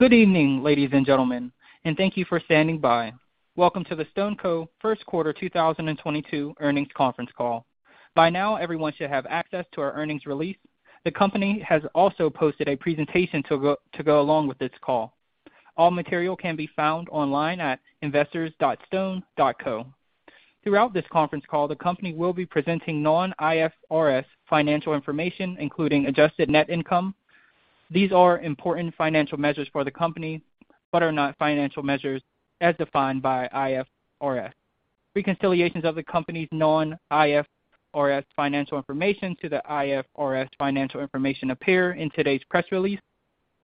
Good evening, ladies and gentlemen, and thank you for standing by. Welcome to the StoneCo first quarter 2022 earnings conference call. By now, everyone should have access to our earnings release. The company has also posted a presentation to go along with this call. All material can be found online at investors.stone.co. Throughout this conference call, the company will be presenting non-IFRS financial information, including adjusted net income. These are important financial measures for the company, but are not financial measures as defined by IFRS. Reconciliations of the company's non-IFRS financial information to the IFRS financial information appear in today's press release.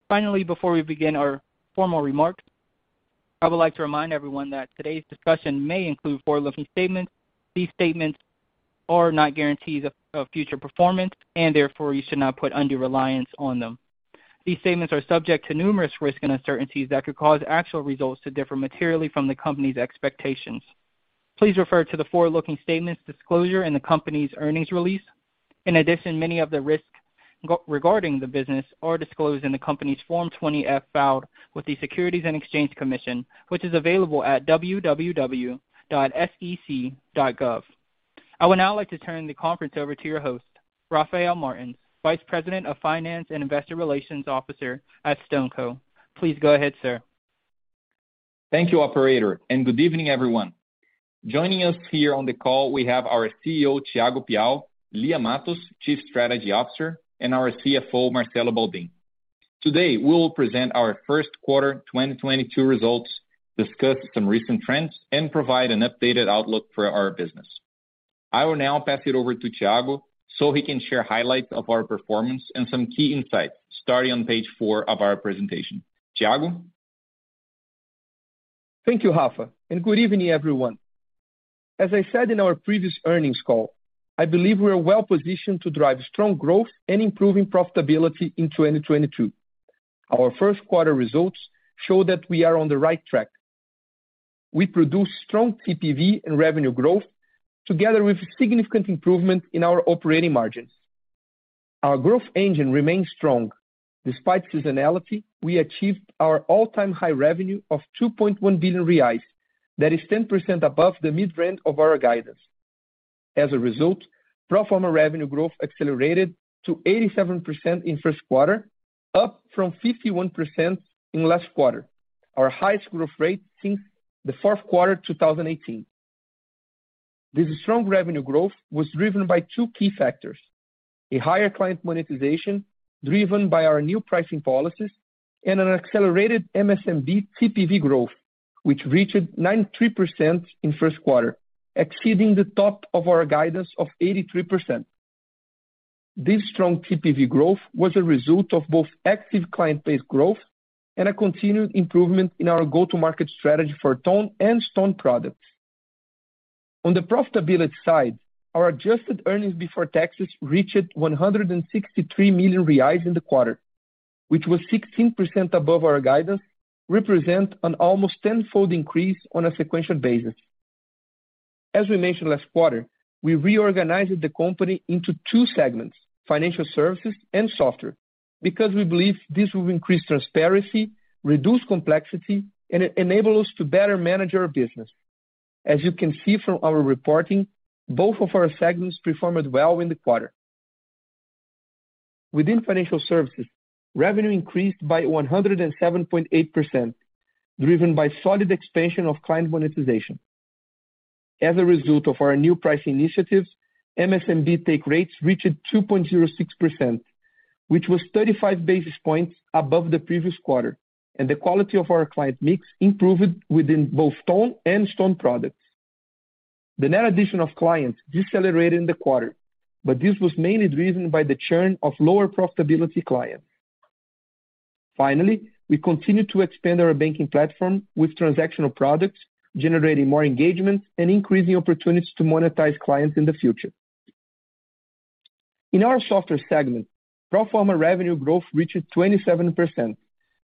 Finally, before we begin our formal remarks, I would like to remind everyone that today's discussion may include forward-looking statements. These statements are not guarantees of future performance, and therefore you should not put undue reliance on them. These statements are subject to numerous risks and uncertainties that could cause actual results to differ materially from the company's expectations. Please refer to the forward-looking statements disclosure in the company's earnings release. Many of the risks regarding the business are disclosed in the company's Form 20-F filed with the Securities and Exchange Commission, which is available at www.sec.gov. I would now like to turn the conference over to your host, Rafael Martins, Vice President of Finance and Investor Relations Officer at StoneCo. Please go ahead, sir. Thank you, operator, and good evening, everyone. Joining us here on the call we have our CEO, Thiago Piau, Lia Matos, Chief Strategy Officer, and our CFO, Marcelo Baldin. Today, we will present our first quarter 2022 results, discuss some recent trends, and provide an updated outlook for our business. I will now pass it over to Thiago so he can share highlights of our performance and some key insights, starting on page four of our presentation. Thiago. Thank you, Rafa, and good evening, everyone. As I said in our previous earnings call, I believe we are well-positioned to drive strong growth and improving profitability in 2022. Our first quarter results show that we are on the right track. We produced strong TPV and revenue growth together with significant improvement in our operating margins. Our growth engine remains strong. Despite seasonality, we achieved our all-time high revenue of 2.1 billion reais. That is 10% above the mid-range of our guidance. As a result, pro forma revenue growth accelerated to 87% in first quarter, up from 51% in last quarter, our highest growth rate since the fourth quarter 2018. This strong revenue growth was driven by two key factors. A higher client monetization driven by our new pricing policies and an accelerated MSMB TPV growth, which reached 93% in first quarter, exceeding the top of our guidance of 83%. This strong TPV growth was a result of both active client base growth and a continued improvement in our go-to-market strategy for Stone and Ton products. On the profitability side, our adjusted earnings before taxes reached 163 million reais in the quarter, which was 16% above our guidance, representing an almost tenfold increase on a sequential basis. We mentioned last quarter we reorganized the company into two segments, financial services and software, because we believe this will increase transparency, reduce complexity, and enable us to better manage our business. You can see from our reporting, both of our segments performed well in the quarter. Within financial services, revenue increased by 107.8%, driven by solid expansion of client monetization. As a result of our new pricing initiatives, MSMB take rates reached 2.06%, which was 35 basis points above the previous quarter, and the quality of our client mix improved within both Stone and Ton products. The net addition of clients decelerated in the quarter, but this was mainly driven by the churn of lower profitability clients. Finally, we continued to expand our banking platform with transactional products, generating more engagement and increasing opportunities to monetize clients in the future. In our software segment, pro forma revenue growth reached 27%,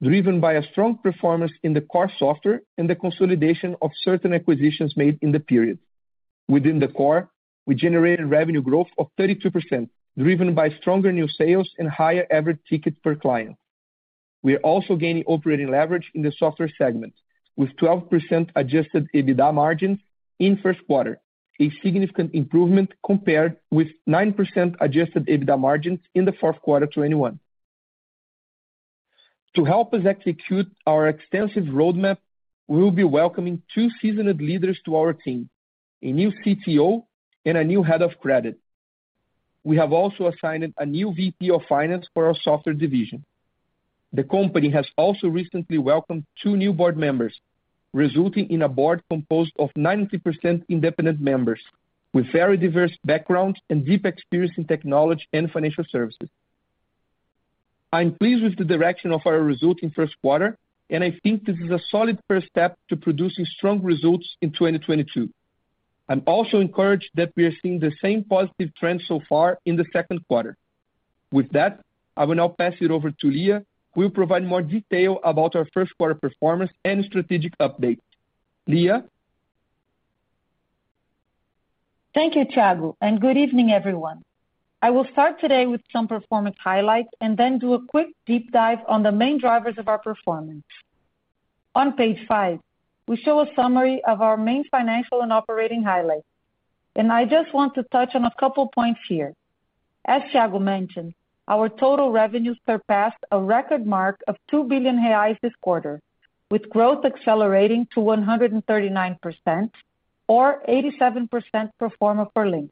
driven by a strong performance in the core software and the consolidation of certain acquisitions made in the period. Within the core, we generated revenue growth of 32%, driven by stronger new sales and higher average ticket per client. We are also gaining operating leverage in the software segment with 12% Adjusted EBITDA margins in first quarter, a significant improvement compared with 9% Adjusted EBITDA margins in the fourth quarter 2021. To help us execute our extensive roadmap, we will be welcoming two seasoned leaders to our team, a new CTO and a new head of credit. We have also assigned a new VP of finance for our software division. The company has also recently welcomed two new board members, resulting in a board composed of 90% independent members with very diverse backgrounds and deep experience in technology and financial services. I'm pleased with the direction of our results in first quarter, and I think this is a solid first step to producing strong results in 2022. I'm also encouraged that we are seeing the same positive trends so far in the second quarter. With that, I will now pass it over to Lia, who will provide more detail about our first quarter performance and strategic update. Lia? Thank you, Thiago, and good evening, everyone. I will start today with some performance highlights and then do a quick deep dive on the main drivers of our performance. On page five, we show a summary of our main financial and operating highlights, and I just want to touch on a couple points here. As Thiago mentioned, our total revenues surpassed a record mark of 2 billion reais this quarter, with growth accelerating to 139% or 87% pro forma for Linx.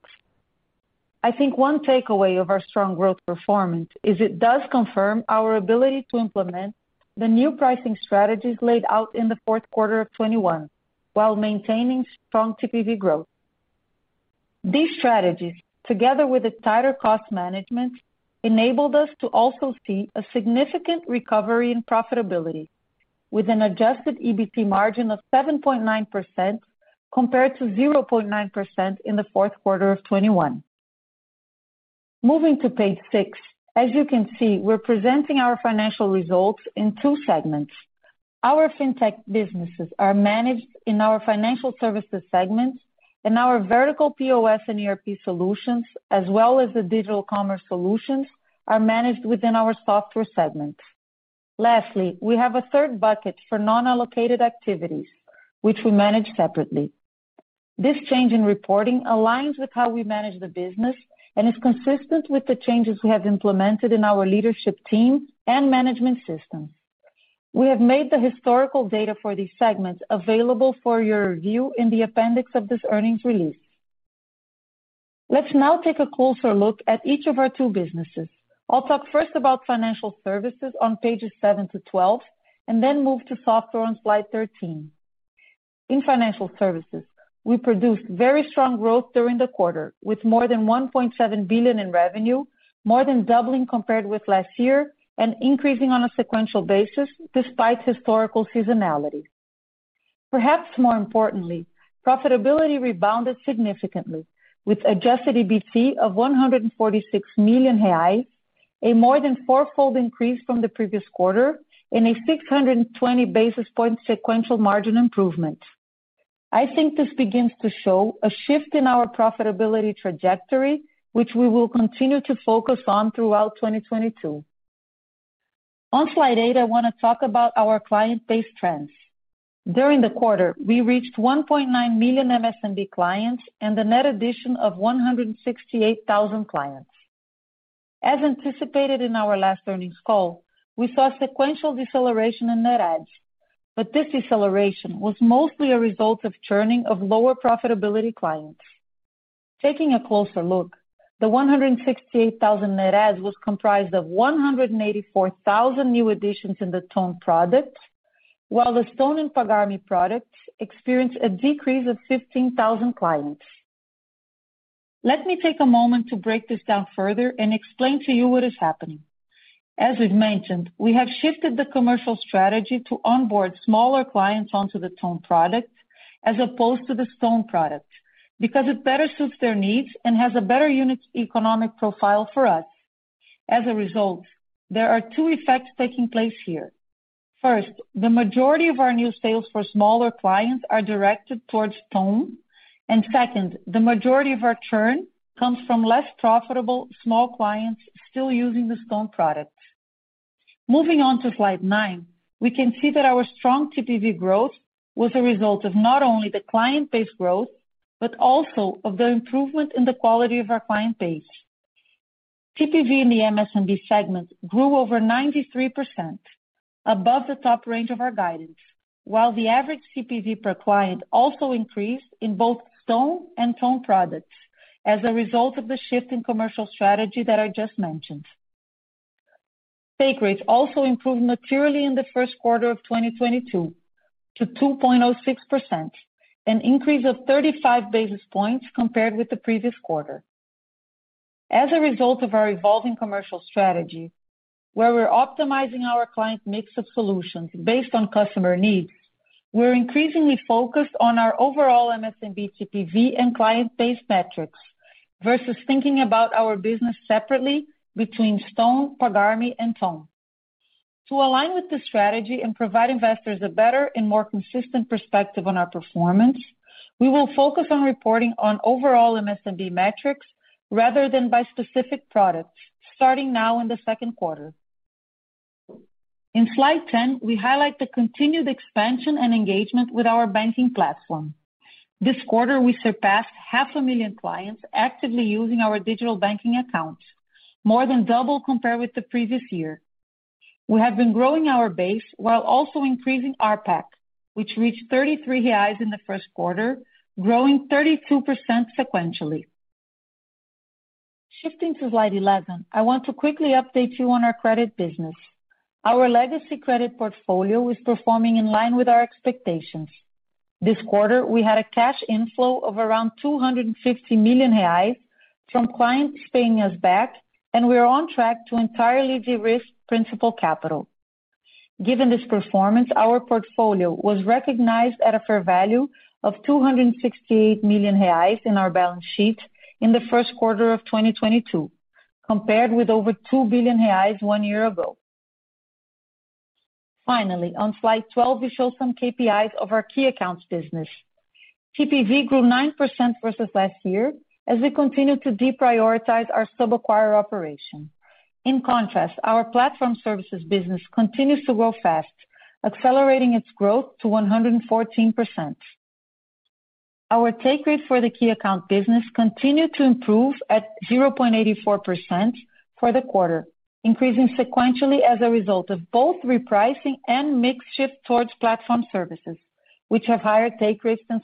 I think one takeaway of our strong growth performance is it does confirm our ability to implement the new pricing strategies laid out in the fourth quarter of 2021 while maintaining strong TPV growth. These strategies, together with the tighter cost management, enabled us to also see a significant recovery in profitability with an Adjusted EBITDA margin of 7.9% compared to 0.9% in the fourth quarter of 2021. Moving to page six, as you can see, we're presenting our financial results in two segments. Our Fintech businesses are managed in our financial services segments, and our vertical POS and ERP solutions, as well as the digital commerce solutions are managed within our software segment. Lastly, we have a third bucket for non-allocated activities which we manage separately. This change in reporting aligns with how we manage the business and is consistent with the changes we have implemented in our leadership team and management systems. We have made the historical data for these segments available for your review in the appendix of this earnings release. Let's now take a closer look at each of our two businesses. I'll talk first about financial services on pages 7-12 and then move to software on slide 13. In financial services, we produced very strong growth during the quarter, with more than 1.7 billion in revenue, more than doubling compared with last year and increasing on a sequential basis despite historical seasonality. Perhaps more importantly, profitability rebounded significantly with Adjusted EBITDA of 146 million, a more than four-fold increase from the previous quarter and a 620 basis point sequential margin improvement. I think this begins to show a shift in our profitability trajectory, which we will continue to focus on throughout 2022. On slide eight, I wanna talk about our client base trends. During the quarter, we reached 1.9 million MSMB clients and a net addition of 168,000 clients. As anticipated in our last earnings call, we saw sequential deceleration in net adds, but this deceleration was mostly a result of churning of lower profitability clients. Taking a closer look, the 168,000 net adds was comprised of 184,000 new additions in the Ton product, while the Stone and Pagar.me products experienced a decrease of 15,000 clients. Let me take a moment to break this down further and explain to you what is happening. As we've mentioned, we have shifted the commercial strategy to onboard smaller clients onto the Ton product as opposed to the Stone product, because it better suits their needs and has a better unit economic profile for us. As a result, there are two effects taking place here. First, the majority of our new sales for smaller clients are directed towards Ton. Second, the majority of our churn comes from less profitable small clients still using the Stone products. Moving on to slide nine, we can see that our strong TPV growth was a result of not only the client base growth, but also of the improvement in the quality of our client base. TPV in the MSMB segment grew over 93% above the top range of our guidance, while the average TPV per client also increased in both Stone and Ton products as a result of the shift in commercial strategy that I just mentioned. Take rates also improved materially in the first quarter of 2022 to 2.06%, an increase of 35 basis points compared with the previous quarter. As a result of our evolving commercial strategy, where we're optimizing our client mix of solutions based on customer needs, we're increasingly focused on our overall MSMB TPV and client base metrics versus thinking about our business separately between Stone, Pagar.me, and Ton. To align with this strategy and provide investors a better and more consistent perspective on our performance, we will focus on reporting on overall MSMB metrics rather than by specific products starting now in the second quarter. In slide 10, we highlight the continued expansion and engagement with our banking platform. This quarter, we surpassed 500,000 clients actively using our digital banking accounts, more than double compared with the previous year. We have been growing our base while also increasing RPAC, which reached 33 reais in the first quarter, growing 32% sequentially. Shifting to slide 11, I want to quickly update you on our credit business. Our legacy credit portfolio is performing in line with our expectations. This quarter, we had a cash inflow of around 250 million reais from clients paying us back, and we are on track to entirely de-risk principal capital. Given this performance, our portfolio was recognized at a fair value of 268 million reais in our balance sheet in the first quarter of 2022, compared with over 2 billion reais one year ago. Finally, on slide 12 we show some KPIs of our key accounts business. TPV grew 9% versus last year as we continue to deprioritize our sub-acquirer operation. In contrast, our platform services business continues to grow fast, accelerating its growth to 114%. Our take rate for the key account business continued to improve at 0.84% for the quarter, increasing sequentially as a result of both repricing and mix shift towards platform services, which have higher take rates than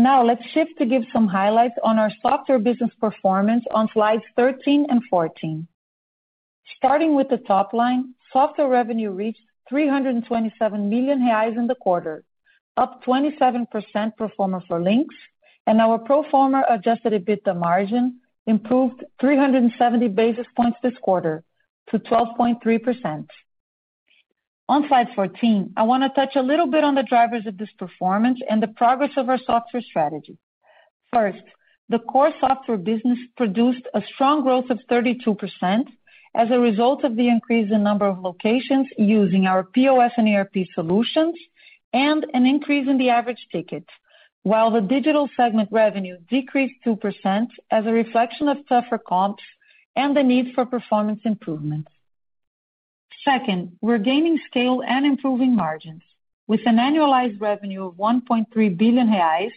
sub-acquirers. Now let's shift to give some highlights on our software business performance on slides 13 and 14. Starting with the top line, software revenue reached 327 million reais in the quarter, up 27% pro forma for Linx. Our pro forma Adjusted EBITDA margin improved 370 basis points this quarter to 12.3%. On slide 14, I wanna touch a little bit on the drivers of this performance and the progress of our software strategy. First, the core software business produced a strong growth of 32% as a result of the increase in number of locations using our POS and ERP solutions, and an increase in the average ticket. While the digital segment revenue decreased 2% as a reflection of tougher comps and the need for performance improvements. Second, we're gaining scale and improving margins. With an annualized revenue of 1.3 billion reais,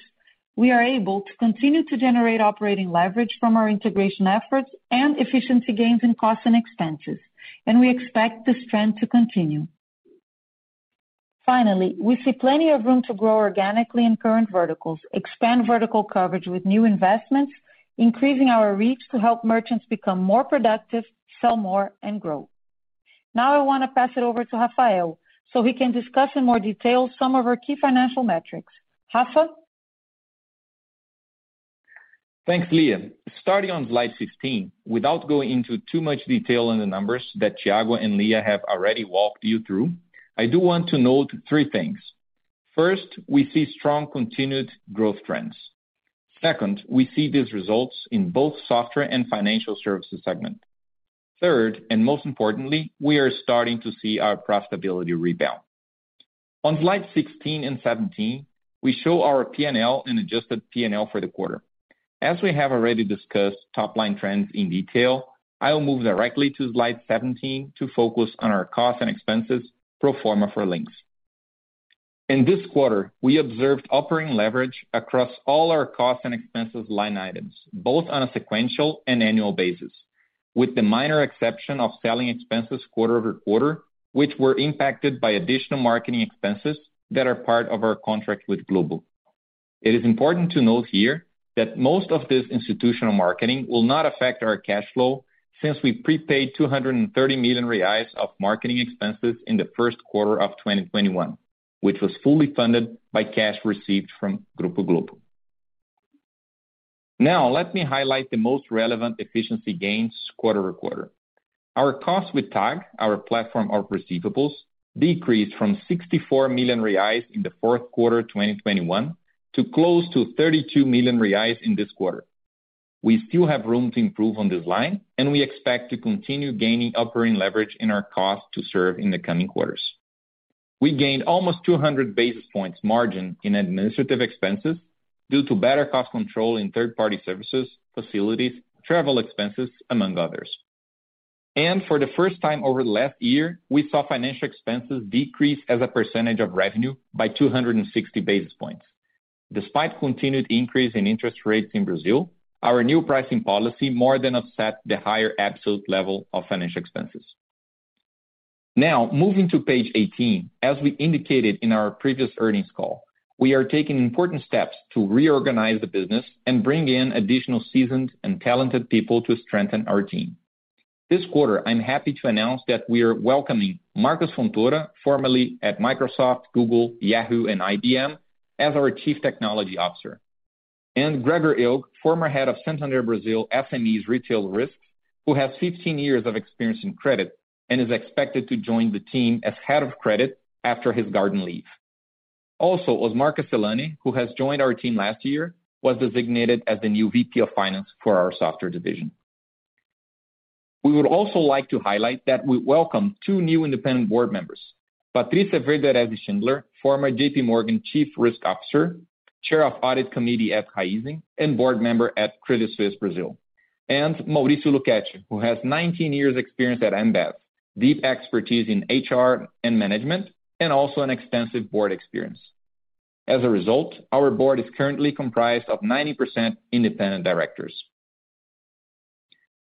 we are able to continue to generate operating leverage from our integration efforts and efficiency gains in costs and expenses, and we expect this trend to continue. Finally, we see plenty of room to grow organically in current verticals, expand vertical coverage with new investments, increasing our reach to help merchants become more productive, sell more and grow. Now I wanna pass it over to Rafael so he can discuss in more detail some of our key financial metrics. Rafa? Thanks, Lia. Starting on slide 15, without going into too much detail on the numbers that Thiago and Lia have already walked you through, I do want to note three things. First, we see strong continued growth trends. Second, we see these results in both software and financial services segment. Third, and most importantly, we are starting to see our profitability rebound. On slide 16 and 17, we show our P&L and adjusted P&L for the quarter. As we have already discussed top line trends in detail, I'll move directly to slide 17 to focus on our costs and expenses pro forma for Linx. In this quarter, we observed operating leverage across all our costs and expenses line items, both on a sequential and annual basis, with the minor exception of selling expenses quarter-over-quarter, which were impacted by additional marketing expenses that are part of our contract with Globo. It is important to note here that most of this institutional marketing will not affect our cash flow since we prepaid 230 million reais of marketing expenses in the first quarter of 2021, which was fully funded by cash received from Grupo Globo. Now let me highlight the most relevant efficiency gains quarter-over-quarter. Our costs with TAG, our platform of receivables, decreased from 64 million reais in the fourth quarter 2021 to close to 32 million reais in this quarter. We still have room to improve on this line, and we expect to continue gaining operating leverage in our cost to serve in the coming quarters. We gained almost 200 basis points margin in administrative expenses due to better cost control in third party services, facilities, travel expenses, among others. For the first time over the last year, we saw financial expenses decrease as a percentage of revenue by 260 basis points. Despite continued increase in interest rates in Brazil, our new pricing policy more than offset the higher absolute level of financial expenses. Now moving to page 18. As we indicated in our previous earnings call, we are taking important steps to reorganize the business and bring in additional seasoned and talented people to strengthen our team. This quarter, I'm happy to announce that we are welcoming Marcus Fontoura, formerly at Microsoft, Google, Yahoo and IBM as our Chief Technology Officer. Gregor Ilg, former head of Santander Brasil SMEs Retail Risk, who has 15 years of experience in credit and is expected to join the team as head of credit after his garden leave. Also, Osmar Casselani, who has joined our team last year, was designated as the new VP of finance for our software division. We would also like to highlight that we welcome two new independent board members, Patricia Verderesi Schindler, former J.P. Morgan Chief Risk Officer, Chair of Audit Committee at Raízen, and board member at Credit Suisse Brazil. Mauricio Lucchesi, who has 19 years experience at Ambev, deep expertise in HR and management and also an extensive board experience. As a result, our board is currently comprised of 90% independent directors.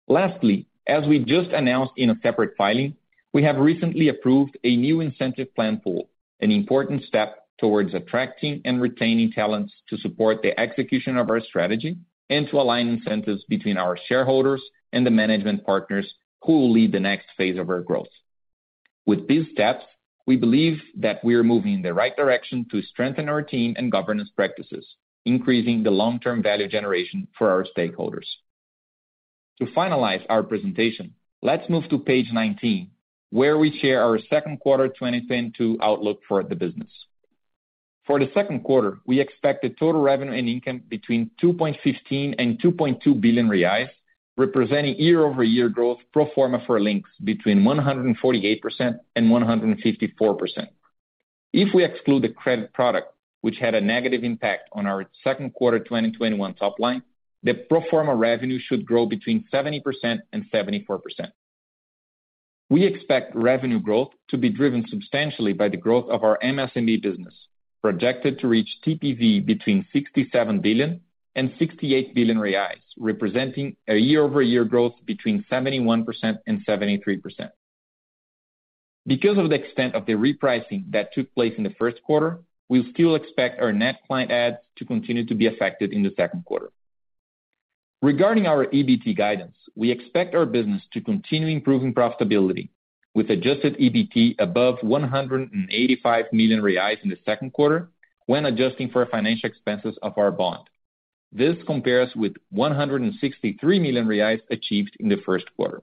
Lastly, as we just announced in a separate filing, we have recently approved a new incentive plan pool, an important step towards attracting and retaining talents to support the execution of our strategy and to align incentives between our shareholders and the management partners who will lead the next phase of our growth. With these steps, we believe that we are moving in the right direction to strengthen our team and governance practices, increasing the long-term value generation for our stakeholders. To finalize our presentation, let's move to page 19, where we share our second quarter 2022 outlook for the business. For the second quarter, we expect the total revenue and income between 2.15 billion and 2.2 billion reais, representing year-over-year growth pro forma for Linx between 148% and 154%. If we exclude the credit product, which had a negative impact on our second quarter 2021 top line, the pro forma revenue should grow between 70% and 74%. We expect revenue growth to be driven substantially by the growth of our MSMB business, projected to reach TPV between 67 billion and 68 billion reais, representing a year-over-year growth between 71% and 73%. Because of the extent of the repricing that took place in the first quarter, we still expect our net client adds to continue to be affected in the second quarter. Regarding our EBT guidance, we expect our business to continue improving profitability with adjusted EBT above 185 million reais in the second quarter when adjusting for financial expenses of our bond. This compares with 163 million reais achieved in the first quarter.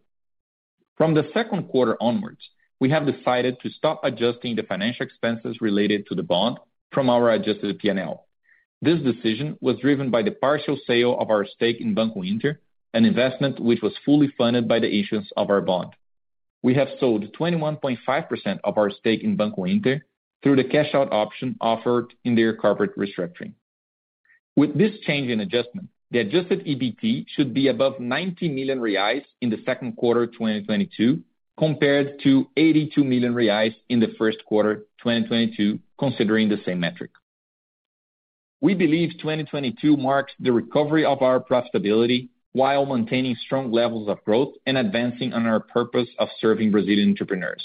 From the second quarter onwards, we have decided to stop adjusting the financial expenses related to the bond from our adjusted P&L. This decision was driven by the partial sale of our stake in Banco Inter, an investment which was fully funded by the issuance of our bond. We have sold 21.5% of our stake in Banco Inter through the cash out option offered in their corporate restructuring. With this change in adjustment, the adjusted EBT should be above 90 million reais in the second quarter 2022, compared to 82 million reais in the first quarter 2022, considering the same metric. We believe 2022 marks the recovery of our profitability while maintaining strong levels of growth and advancing on our purpose of serving Brazilian entrepreneurs.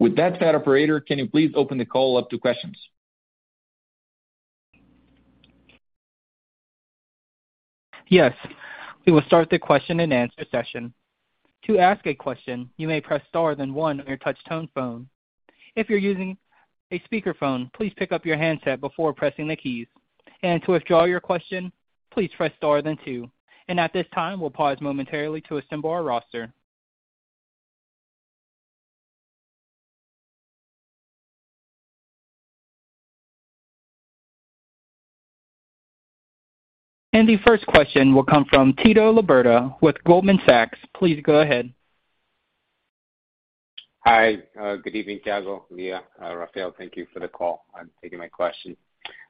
With that said, operator, can you please open the call up to questions? Yes. We will start the question-and-answer session. To ask a question, you may press star then one on your touch-tone phone. If you're using a speakerphone, please pick up your handset before pressing the keys. To withdraw your question, please press star then two. At this time we'll pause momentarily to assemble our roster. The first question will come from Tito Labarta with Goldman Sachs. Please go ahead. Hi. Good evening, Thiago, Lia, Rafael, thank you for the call and taking my question.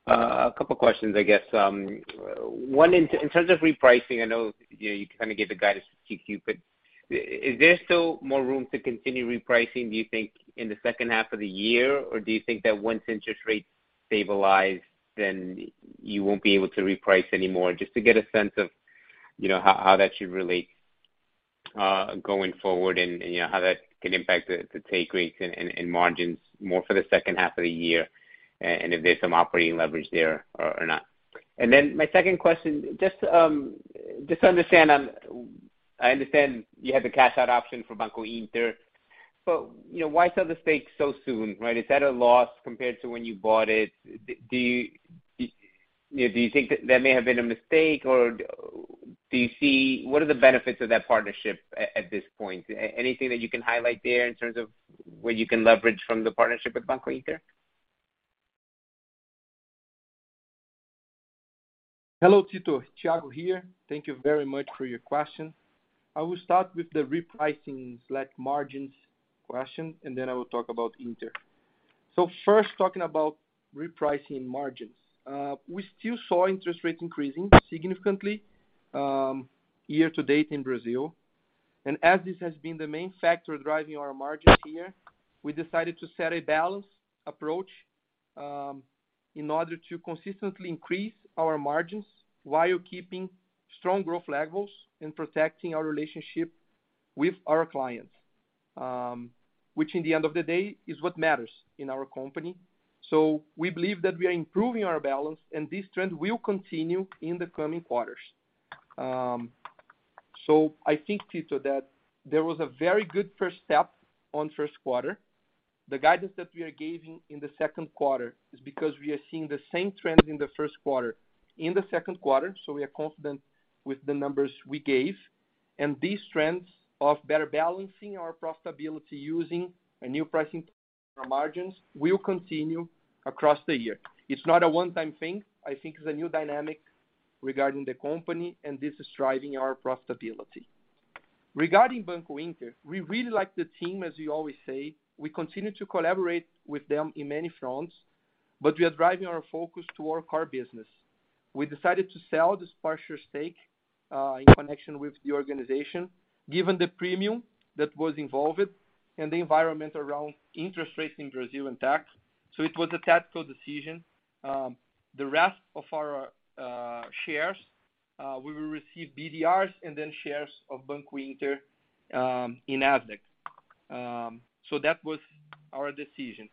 A couple questions, I guess. One in terms of repricing, I know you kind of gave the guidance for 2Q, but is there still more room to continue repricing, do you think, in the second half of the year or do you think that once interest rates stabilize, then you won't be able to reprice anymore? Just to get a sense of, you know, how that should relate going forward and, you know, how that can impact the take rates and margins more for the second half of the year, and if there's some operating leverage there or not. Then my second question, just to understand, I understand you have the cash out option for Banco Inter, but you know, why sell the stake so soon, right? Is that a loss compared to when you bought it? Do you know, do you think that that may have been a mistake or do you see? What are the benefits of that partnership at this point? Anything that you can highlight there in terms of what you can leverage from the partnership with Banco Inter? Hello, Tito. Thiago here. Thank you very much for your question. I will start with the repricing slash margins question, and then I will talk about Inter. First talking about repricing margins. We still saw interest rates increasing significantly, year-to-date in Brazil. As this has been the main factor driving our margins here, we decided to set a balance approach, in order to consistently increase our margins while keeping strong growth levels and protecting our relationship with our clients, which in the end of the day is what matters in our company. We believe that we are improving our balance, and this trend will continue in the coming quarters. I think, Tito, that there was a very good first step on first quarter. The guidance that we are giving in the second quarter is because we are seeing the same trend in the first quarter in the second quarter, so we are confident with the numbers we gave. These trends of better balancing our profitability using a new pricing for margins will continue across the year. It's not a one-time thing. I think it's a new dynamic regarding the company, and this is driving our profitability. Regarding Banco Inter, we really like the team, as you always say. We continue to collaborate with them in many fronts, but we are driving our focus toward core business. We decided to sell this partial stake, in connection with the organization, given the premium that was involved and the environment around interest rates in Brazil and tax. It was a tactical decision. The rest of our shares, we will receive BDRs and then shares of Banco Inter in cash. That was our decision.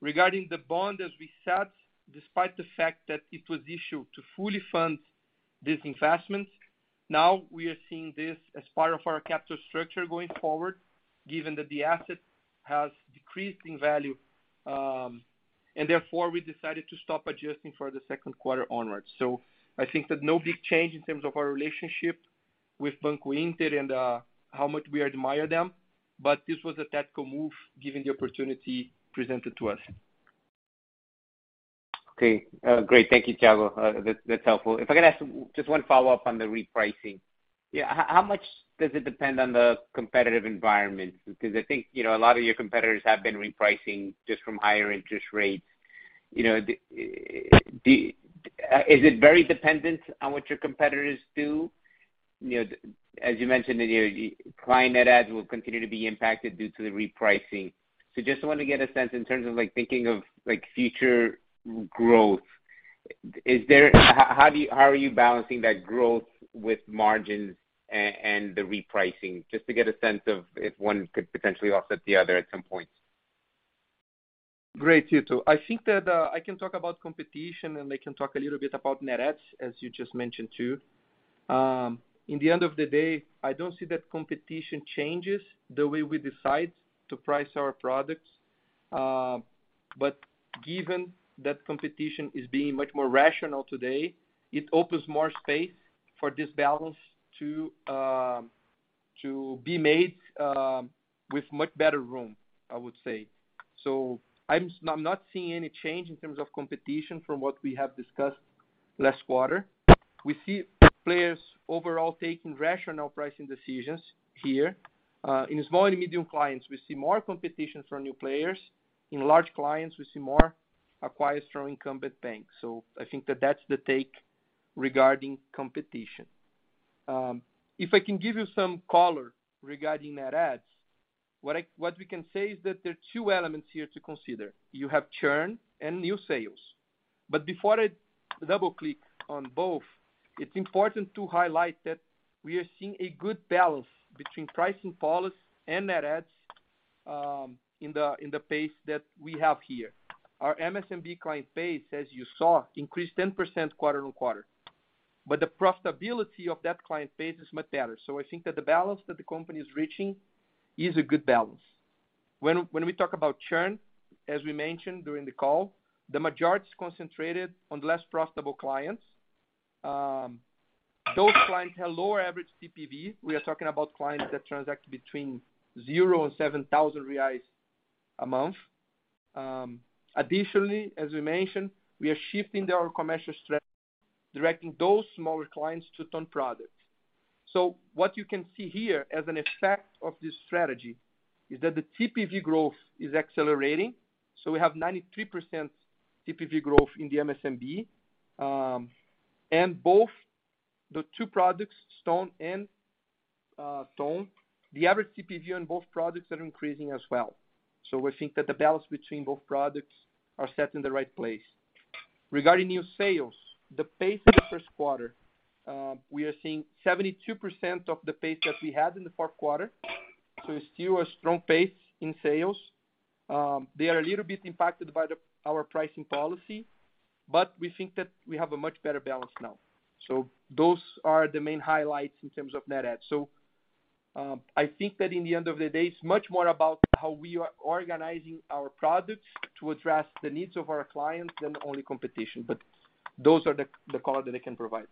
Regarding the bond, as we said, despite the fact that it was issued to fully fund these investments, now we are seeing this as part of our capital structure going forward, given that the asset has decreased in value, and therefore we decided to stop adjusting for the second quarter onwards. I think that no big change in terms of our relationship with Banco Inter and how much we admire them. This was a tactical move, given the opportunity presented to us. Okay. Great. Thank you, Thiago. That's helpful. If I could ask just one follow-up on the repricing. How much does it depend on the competitive environment because I think, you know, a lot of your competitors have been repricing just from higher interest rates. You know, is it very dependent on what your competitors do? You know, that as you mentioned, you know, your client net adds will continue to be impacted due to the repricing. So just want to get a sense in terms of like, thinking of, like, future growth. How are you balancing that growth with margins and the repricing? Just to get a sense of if one could potentially offset the other at some point. Great, Tito. I think that I can talk about competition, and I can talk a little bit about net adds, as you just mentioned too. In the end of the day, I don't see that competition changes the way we decide to price our products. But given that competition is being much more rational today, it opens more space for this balance to be made with much better room, I would say. I'm not seeing any change in terms of competition from what we have discussed last quarter. We see players overall taking rational pricing decisions here. In small and medium clients, we see more competition from new players. In large clients, we see more acquirers from incumbent banks. I think that that's the take regarding competition. If I can give you some color regarding net adds, what we can say is that there are two elements here to consider. You have churn and new sales. Before I double-click on both, it's important to highlight that we are seeing a good balance between pricing policy and net adds, in the pace that we have here. Our MSMB client base, as you saw, increased 10% quarter-over-quarter. The profitability of that client base is much better. I think that the balance that the company is reaching is a good balance. When we talk about churn, as we mentioned during the call, the majority is concentrated on less profitable clients. Those clients have lower average TPV. We are talking about clients that transact between 0 and 7,000 reais a month. Additionally, as we mentioned, we are shifting our commercial strategy, directing those smaller clients to Stone products. What you can see here as an effect of this strategy is that the TPV growth is accelerating. We have 93% TPV growth in the MSMB. And both the two products, Stone and Ton, the average TPV on both products are increasing as well. We think that the balance between both products are set in the right place. Regarding new sales, the pace in the first quarter, we are seeing 72% of the pace that we had in the fourth quarter. It's still a strong pace in sales. They are a little bit impacted by our pricing policy, but we think that we have a much better balance now. Those are the main highlights in terms of net adds. I think that at the end of the day, it's much more about how we are organizing our products to address the needs of our clients than only competition. Those are the color that I can provide.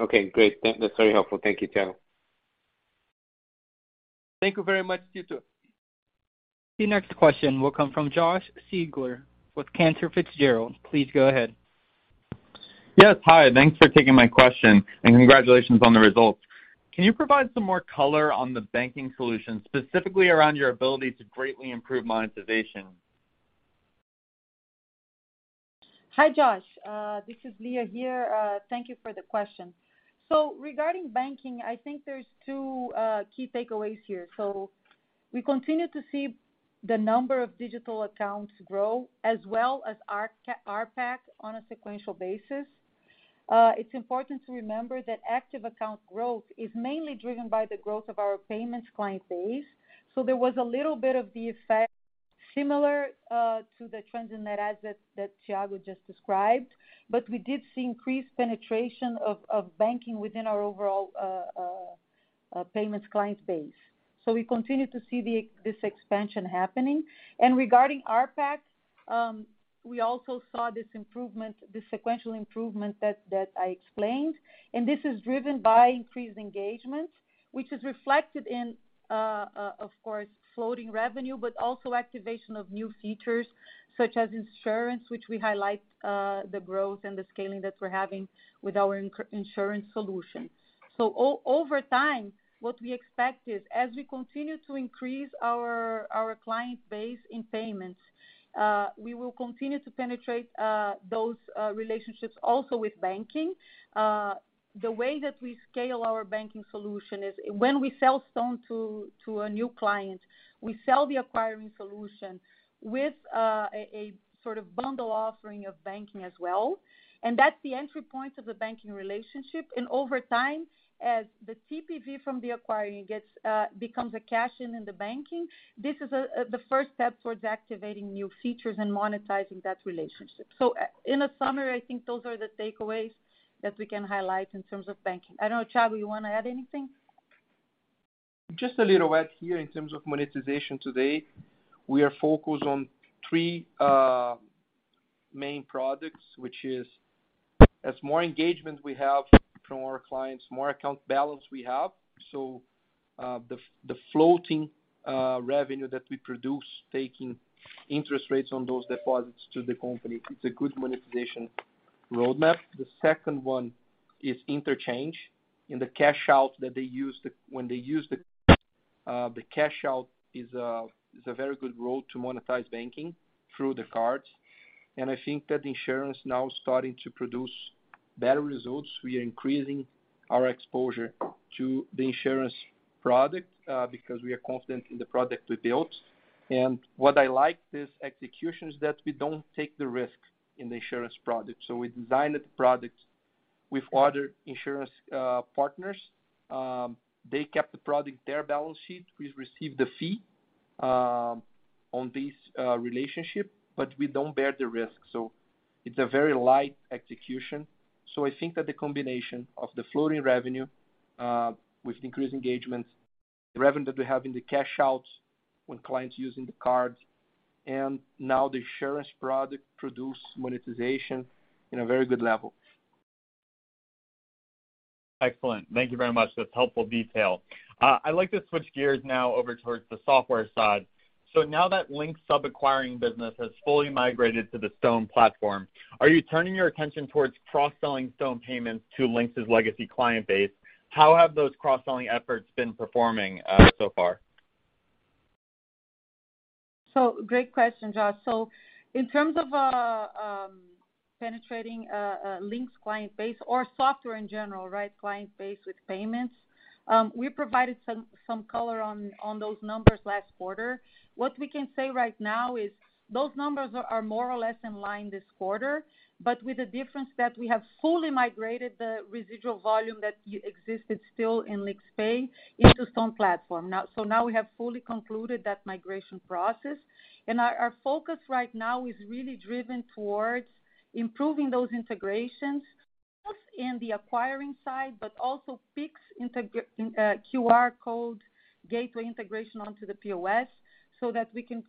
Okay, great. That's very helpful. Thank you, Thiago. Thank you very much, Tito. The next question will come from Josh Siegler with Cantor Fitzgerald. Please go ahead. Yes. Hi. Thanks for taking my question, and congratulations on the results. Can you provide some more color on the banking solution, specifically around your ability to greatly improve monetization? Hi, Josh. This is Lia here. Thank you for the question. Regarding banking, I think there's two key takeaways here. We continue to see the number of digital accounts grow as well as our RPAC on a sequential basis. It's important to remember that active account growth is mainly driven by the growth of our payments client base. There was a little bit of the effect similar to the trends in net adds that Thiago just described. But we did see increased penetration of banking within our overall payments client base. We continue to see this expansion happening. Regarding RPAC, we also saw this improvement, this sequential improvement that I explained. This is driven by increased engagement, which is reflected in, of course, floating revenue, but also activation of new features such as insurance, which we highlight, the growth and the scaling that we're having with our insurance solutions. Over time, what we expect is as we continue to increase our client base in payments, we will continue to penetrate those relationships also with banking. The way that we scale our banking solution is when we sell Stone to a new client, we sell the acquiring solution with a sort of bundle offering of banking as well. That's the entry point of the banking relationship. Over time, as the TPV from the acquiring gets, becomes a cash-in in the banking, this is the first step towards activating new features and monetizing that relationship. In a summary, I think those are the takeaways that we can highlight in terms of banking. I don't know, Thiago, you wanna add anything? Just a little add here in terms of monetization today, we are focused on three main products, which is as more engagement we have from our clients, more account balance we have. The floating revenue that we produce taking interest rates on those deposits to the company, it's a good monetization roadmap. The second one is interchange. In the cash out that they use, when they use the cash out is a very good route to monetize banking through the cards. I think that insurance now starting to produce better results. We are increasing our exposure to the insurance product because we are confident in the product we built. What I like about this execution is that we don't take the risk in the insurance product. We designed the product with other insurance partners. They kept the product, their balance sheet. We received a fee on this relationship, but we don't bear the risk. It's a very light execution. I think that the combination of the floating revenue with increased engagement, the revenue that we have in the cash outs when clients using the card, and now the insurance product produce monetization in a very good level. Excellent. Thank you very much. That's helpful detail. I'd like to switch gears now over towards the software side. Now that Linx sub-acquiring business has fully migrated to the Stone platform, are you turning your attention towards cross-selling Stone payments to Linx's legacy client base? How have those cross-selling efforts been performing so far? Great question, Josh. In terms of penetrating a Linx client base or software in general, right, client base with payments, we provided some color on those numbers last quarter. What we can say right now is those numbers are more or less in line this quarter, but with the difference that we have fully migrated the residual volume that existed still in LinxPay into Stone platform. Now we have fully concluded that migration process. Our focus right now is really driven towards improving those integrations, both in the acquiring side, but also Pix integration, QR code gateway integration onto the POS so that we can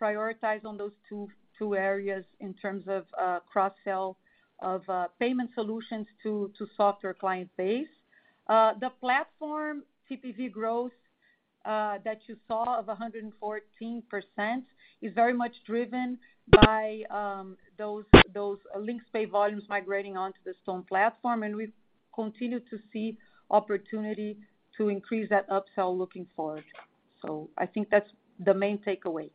prioritize on those two areas in terms of cross-sell of payment solutions to software client base. The platform TPV growth that you saw of 114% is very much driven by those LinxPay volumes migrating onto the Stone platform, and we continue to see opportunity to increase that upsell looking forward. I think that's the main takeaway.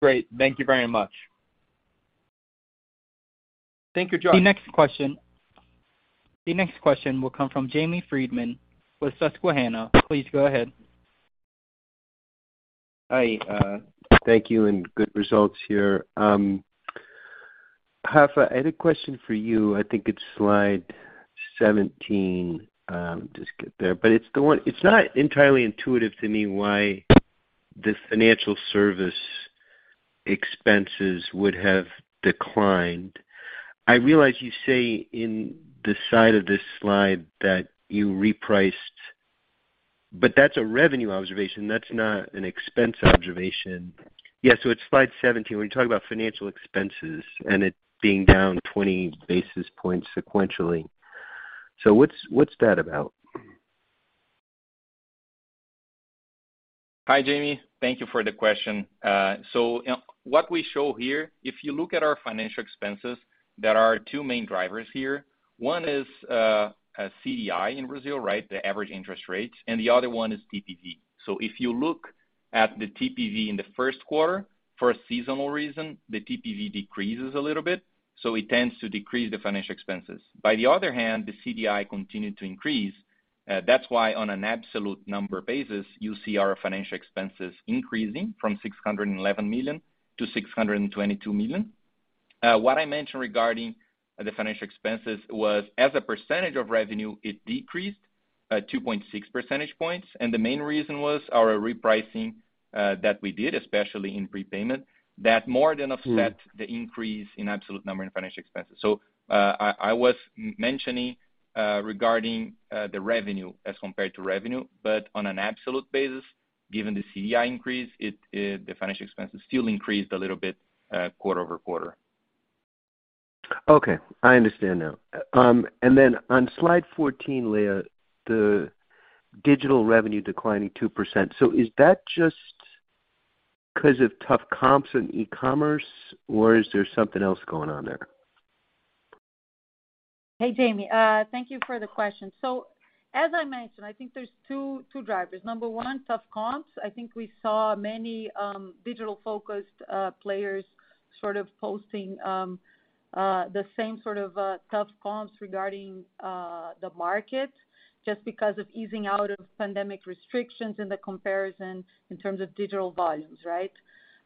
Great. Thank you very much. Thank you, Josh. The next question will come from James Friedman with Susquehanna. Please go ahead. Hi. Thank you, and good results here. Rafa, I had a question for you. I think it's slide 17. Just get there. But it's the one. It's not entirely intuitive to me why the financial service expenses would have declined. I realize you say in the slide that you repriced, but that's a revenue observation. That's not an expense observation. Yeah. It's slide 17, when you talk about financial expenses and it being down 20 basis points sequentially. What's that about? Hi, Jamie. Thank you for the question. What we show here, if you look at our financial expenses, there are two main drivers here. One is CDI in Brazil, right? The average interest rates. The other one is TPV. If you look at the TPV in the first quarter, for a seasonal reason, the TPV decreases a little bit. It tends to decrease the financial expenses. On the other hand, the CDI continued to increase. That's why on an absolute number basis, you see our financial expenses increasing from 611 million-622 million. What I mentioned regarding the financial expenses was, as a percentage of revenue, it decreased 2.6 percentage points. The main reason was our repricing that we did, especially in prepayment. That more than offset the increase in absolute number in financial expenses. I was mentioning regarding the revenue as compared to revenue, but on an absolute basis, given the CDI increase, the financial expenses still increased a little bit, quarter-over-quarter. Okay. I understand now. On slide 14, Lia, the digital revenue declining 2%. Is that just 'cause of tough comps in e-commerce, or is there something else going on there? Hey, Jamie. Thank you for the question. As I mentioned, I think there's two drivers. Number one, tough comps. I think we saw many digital-focused players sort of posting the same sort of tough comps regarding the market just because of easing out of pandemic restrictions in the comparison in terms of digital volumes, right?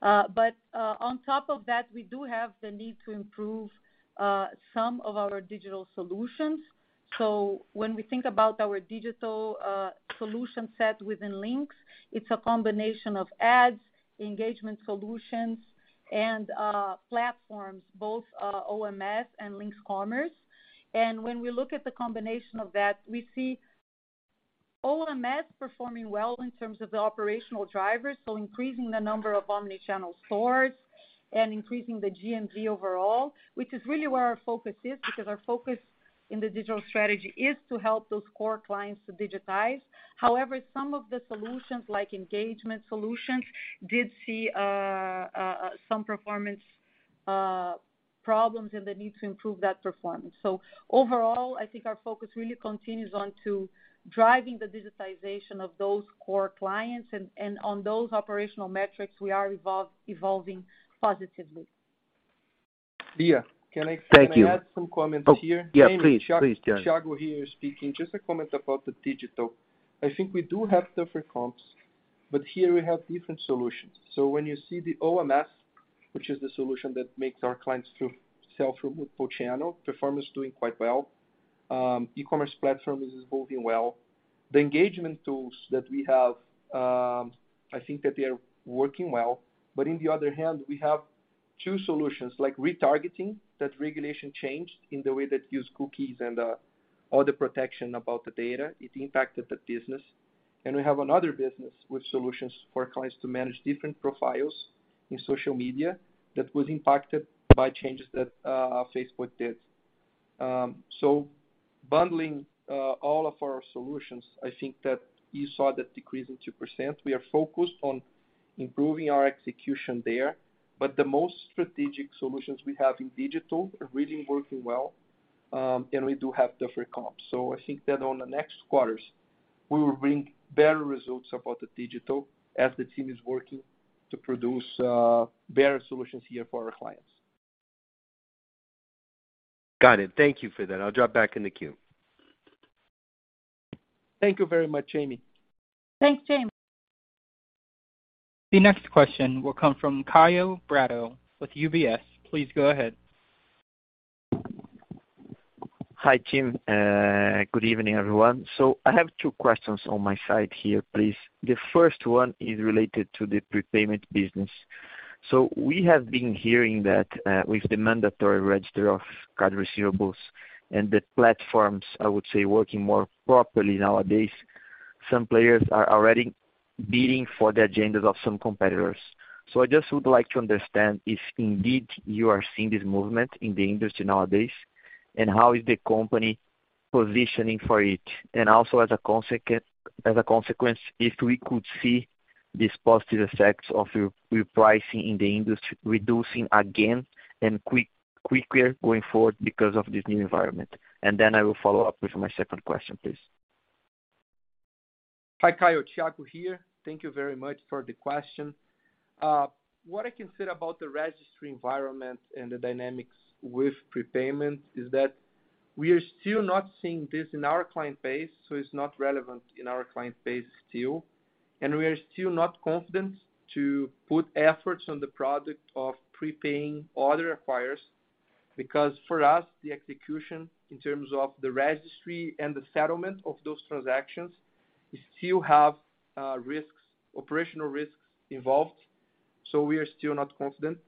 On top of that, we do have the need to improve some of our digital solutions. When we think about our digital solution set within Linx, it's a combination of ads, engagement solutions, and platforms, both OMS and Linx Commerce. When we look at the combination of that, we see OMS performing well in terms of the operational drivers, so increasing the number of omni-channel stores and increasing the GMV overall, which is really where our focus is because our focus in the digital strategy is to help those core clients to digitize. However, some of the solutions like engagement solutions did see some performance problems and the need to improve that performance. Overall, I think our focus really continues on to driving the digitization of those core clients and on those operational metrics we are evolving positively. Thank you. Lia, can I add some comments here? Yeah, please. Please, Thiago. Thiago here speaking. Just a comment about the digital. I think we do have tougher comps, but here we have different solutions. So when you see the OMS, which is the solution that makes our clients to sell through multi-channel, performance doing quite well. E-commerce platform is evolving well. The engagement tools that we have, I think that they are working well. But in the other hand we have two solutions, like retargeting, that regulation changed in the way that use cookies and, all the protection about the data. It impacted the business. We have another business with solutions for clients to manage different profiles in social media that was impacted by changes that, Facebook did. Bundling all of our solutions, I think that you saw that decrease in 2%. We are focused on improving our execution there, but the most strategic solutions we have in digital are really working well, and we do have tougher comps. I think that on the next quarters, we will bring better results about the digital as the team is working to produce better solutions here for our clients. Got it. Thank you for that. I'll drop back in the queue. Thank you very much, Jamie. Thanks, James. The next question will come from Kaio Da Prato with UBS. Please go ahead. Hi, team. Good evening, everyone. I have two questions on my side here, please. The first one is related to the prepayment business. We have been hearing that, with the mandatory register of card receivables and the platforms, I would say, working more properly nowadays, some players are already bidding for the agendas of some competitors. I just would like to understand if indeed you are seeing this movement in the industry nowadays, and how is the company positioning for it. Also as a consequence, if we could see these positive effects of repricing in the industry reducing again and quicker going forward because of this new environment. Then I will follow up with my second question, please. Hi, Kaio. Thiago here. Thank you very much for the question. What I can say about the registry environment and the dynamics with prepayment is that we are still not seeing this in our client base, so it's not relevant in our client base still. We are still not confident to put efforts on the product of prepaying other acquirers, because for us, the execution in terms of the registry and the settlement of those transactions still have risks, operational risks involved, so we are still not confident.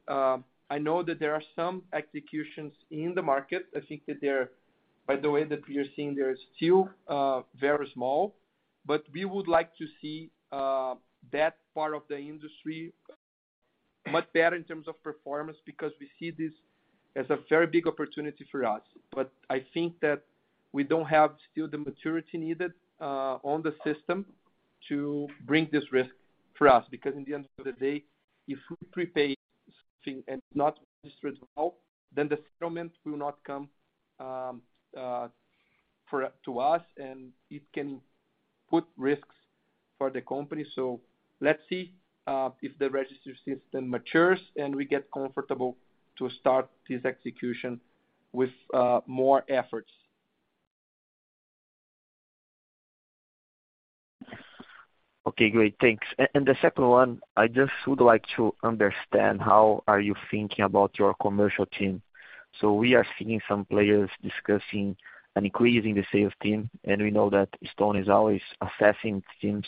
I know that there are some executions in the market. I think that from the way that we are seeing, they are still very small. We would like to see that part of the industry much better in terms of performance because we see this as a very big opportunity for us. I think that we don't have still the maturity needed on the system to bring this risk for us. Because in the end of the day, if we prepay something and not registered at all, then the settlement will not come to us, and it can put risks for the company. Let's see if the registry system matures and we get comfortable to start this execution with more efforts. Okay, great. Thanks. The second one, I just would like to understand how are you thinking about your commercial team. We are seeing some players discussing and increasing the sales team, and we know that Stone is always assessing team.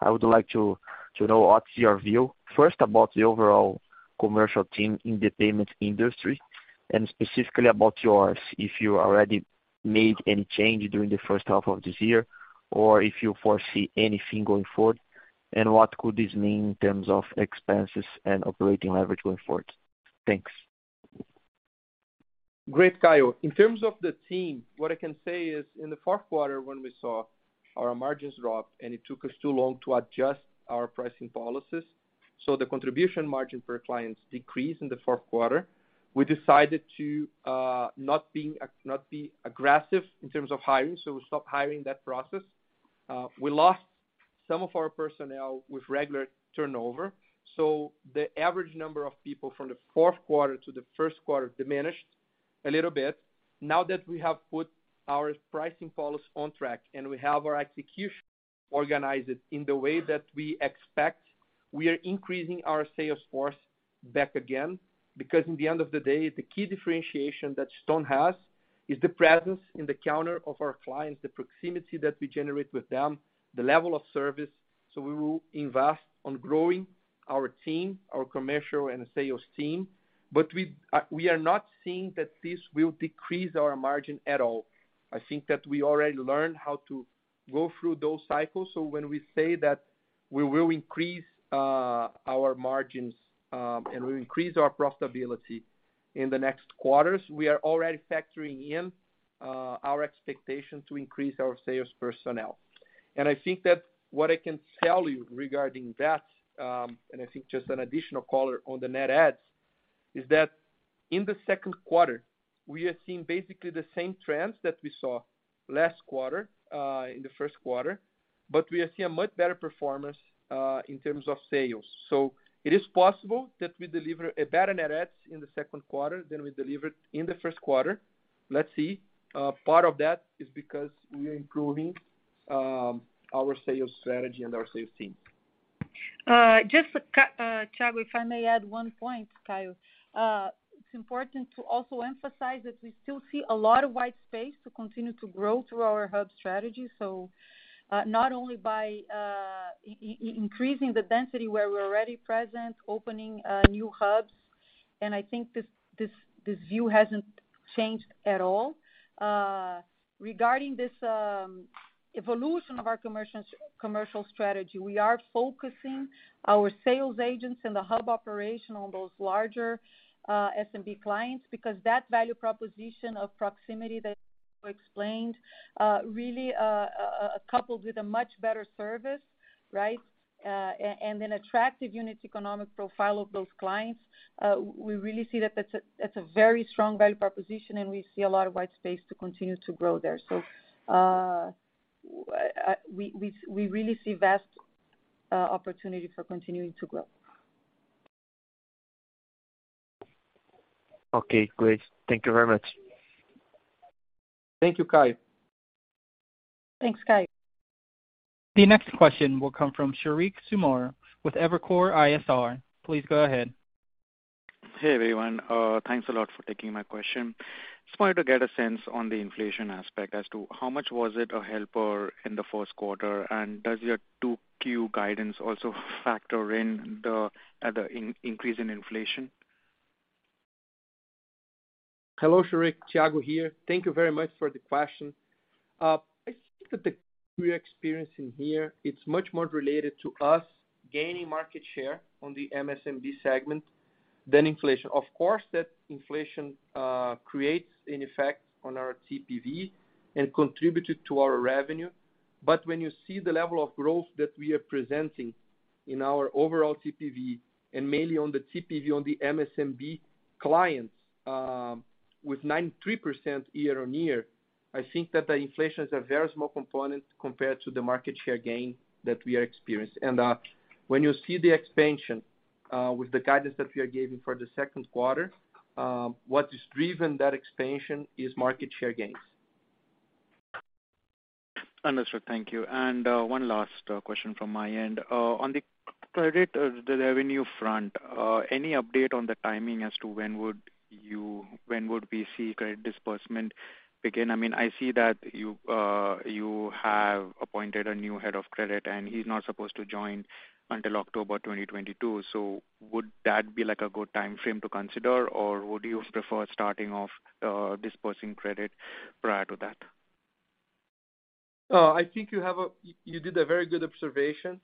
I would like to know what's your view, first about the overall commercial team in the payment industry, and specifically about yours, if you already made any change during the first half of this year, or if you foresee anything going forward, and what could this mean in terms of expenses and operating leverage going forward? Thanks. Great, Kaio. In terms of the team, what I can say is in the fourth quarter when we saw our margins dropped and it took us too long to adjust our pricing policies, so the contribution margin per clients decreased in the fourth quarter. We decided to not be aggressive in terms of hiring, so we stopped hiring that process. We lost some of our personnel with regular turnover. The average number of people from the fourth quarter to the first quarter diminished a little bit. Now that we have put our pricing policy on track and we have our execution organized in the way that we expect, we are increasing our sales force back again, because at the end of the day, the key differentiation that Stone has is the presence in the counter of our clients, the proximity that we generate with them, the level of service. We will invest on growing our team, our commercial and sales team. We are not seeing that this will decrease our margin at all. I think that we already learned how to go through those cycles. When we say that we will increase our margins, and we increase our profitability in the next quarters, we are already factoring in our expectation to increase our sales personnel. I think that what I can tell you regarding that, and I think just an additional color on the net adds, is that in the second quarter, we are seeing basically the same trends that we saw last quarter, in the first quarter, but we are seeing a much better performance, in terms of sales. It is possible that we deliver a better net adds in the second quarter than we delivered in the first quarter. Let's see. Part of that is because we are improving our sales strategy and our sales team. Thiago, if I may add one point, Kaio. It's important to also emphasize that we still see a lot of white space to continue to grow through our hub strategy. Not only by increasing the density where we're already present, opening new hubs, and I think this view hasn't changed at all. Regarding this evolution of our commercial strategy, we are focusing our sales agents in the hub operation on those larger SMB clients because that value proposition of proximity that you explained really coupled with a much better service, right? And an attractive unit economic profile of those clients, we really see that that's a very strong value proposition, and we see a lot of white space to continue to grow there. We really see vast opportunity for continuing to grow. Okay, great. Thank you very much. Thank you, Kaio. Thanks, Kaio. The next question will come from Sheriq Sumar with Evercore ISI. Please go ahead. Hey, everyone. Thanks a lot for taking my question. Just wanted to get a sense on the inflation aspect as to how much was it a helper in the first quarter, and does your 2Q guidance also factor in the increase in inflation? Hello, Sheriq. Thiago here. Thank you very much for the question. I think that the expansion here, it's much more related to us gaining market share on the MSMB segment than inflation. Of course, that inflation creates an effect on our TPV and contributed to our revenue. But when you see the level of growth that we are presenting in our overall TPV, and mainly on the TPV on the MSMB clients, with 93% year-on-year, I think that the inflation is a very small component compared to the market share gain that we are experiencing. When you see the expansion with the guidance that we are giving for the second quarter, what is driving that expansion is market share gains. Understood. Thank you. One last question from my end. On the credit, the revenue front, any update on the timing as to when would we see credit disbursement begin? I mean, I see that you have appointed a new head of credit, and he's not supposed to join until October 2022. Would that be like a good timeframe to consider, or would you prefer starting off, dispersing credit prior to that? I think you have a very good observation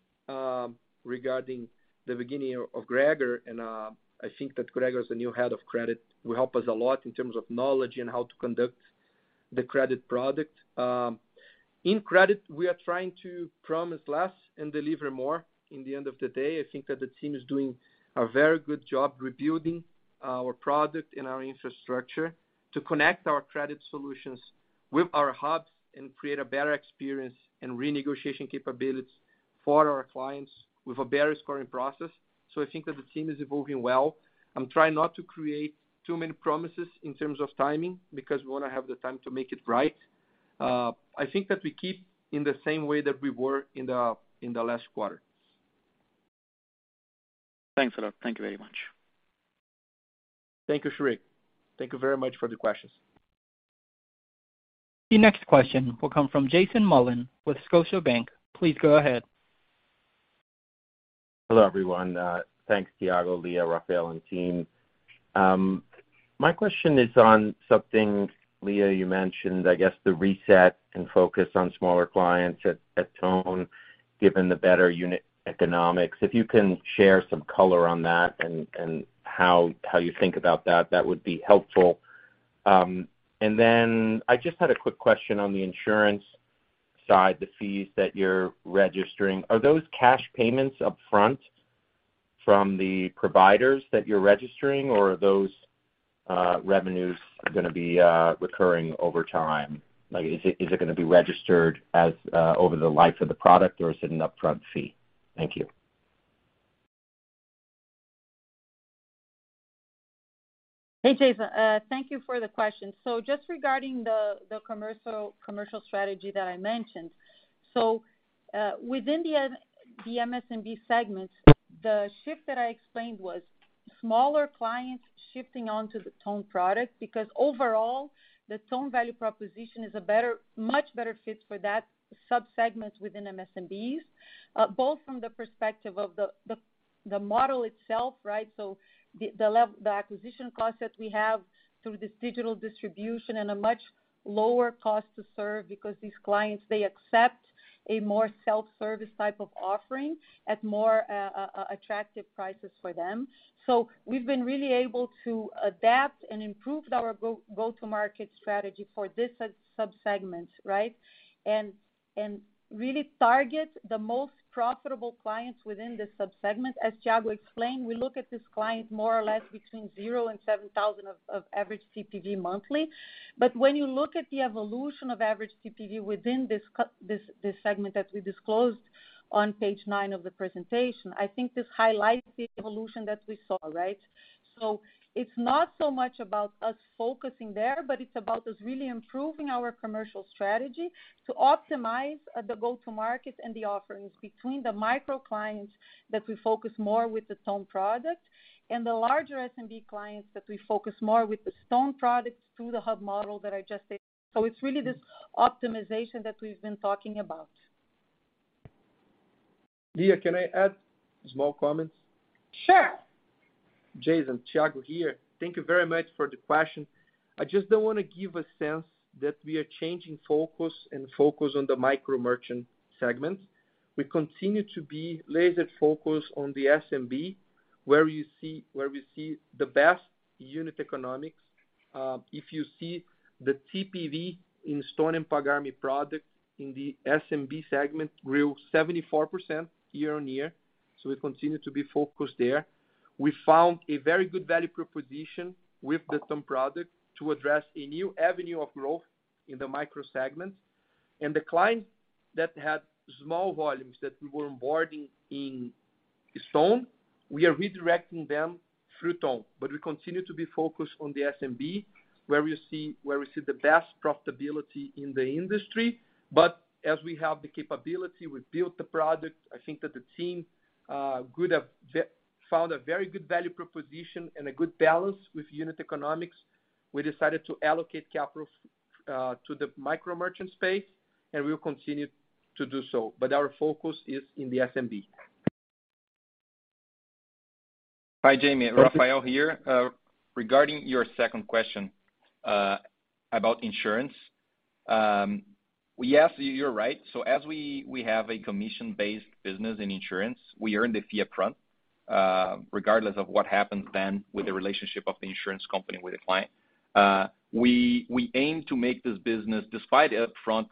regarding the beginning of Gregor Ilg. I think that Gregor is the new head of credit, will help us a lot in terms of knowledge on how to conduct the credit product. In credit, we are trying to promise less and deliver more in the end of the day. I think that the team is doing a very good job rebuilding our product and our infrastructure to connect our credit solutions with our hubs and create a better experience and renegotiation capabilities for our clients with a better scoring process. I think that the team is evolving well. I'm trying not to create too many promises in terms of timing because we wanna have the time to make it right. I think that we keep in the same way that we were in the last quarter. Thanks a lot. Thank you very much. Thank you, Sheriq. Thank you very much for the questions. The next question will come from Jason Kupferberg with Scotiabank. Please go ahead. Hello, everyone. Thanks Thiago, Lia, Rafael, and team. My question is on something, Lia, you mentioned, I guess the reset and focus on smaller clients at Ton, given the better unit economics. If you can share some color on that and how you think about that would be helpful. Then I just had a quick question on the insurance side, the fees that you're registering. Are those cash payments upfront from the providers that you're registering, or are those revenues gonna be recurring over time? Like, is it gonna be registered as over the life of the product, or is it an upfront fee? Thank you. Hey, Jason. Thank you for the question. Just regarding the commercial strategy that I mentioned. Within the MSMB segment, the shift that I explained was smaller clients shifting on to the Ton product because overall, the Ton value proposition is a better, much better fit for that sub-segment within MSMBs, both from the perspective of the model itself, right? The acquisition cost that we have through this digital distribution and a much lower cost to serve because these clients, they accept a more self-service type of offering at more attractive prices for them. We've been really able to adapt and improved our go-to-market strategy for this subsegment, right, really target the most profitable clients within this subsegment. As Thiago explained, we look at this client more or less between 0-7,000 of average TPV monthly. When you look at the evolution of average TPV within this segment that we disclosed on page nine of the presentation, I think this highlights the evolution that we saw, right? It's not so much about us focusing there, but it's about us really improving our commercial strategy to optimize the go-to-market and the offerings between the micro clients that we focus more with the Ton product and the larger SMB clients that we focus more with the Stone products through the hub model that I just stated. It's really this optimization that we've been talking about. Lia, can I add small comments? Sure. Jason, Thiago here. Thank you very much for the question. I just don't wanna give a sense that we are changing focus on the micro merchant segment. We continue to be laser-focused on the SMB, where we see the best unit economics. If you see the TPV in Stone and Pagar.me products in the SMB segment grew 74% year-over-year, so we continue to be focused there. We found a very good value proposition with the Ton product to address a new avenue of growth in the micro segment. The client that had small volumes that we were onboarding in Stone, we are redirecting them through Ton. We continue to be focused on the SMB, where we see the best profitability in the industry. As we have the capability, we built the product, I think that the team could have found a very good value proposition and a good balance with unit economics. We decided to allocate capital to the micro merchant space, and we will continue to do so. Our focus is in the SMB. Hi, Jamie. Rafael here. Regarding your second question about insurance. Yes, you're right. As we have a commission-based business in insurance, we earn the fee up front, regardless of what happens then with the relationship of the insurance company with the client. We aim to make this business despite upfront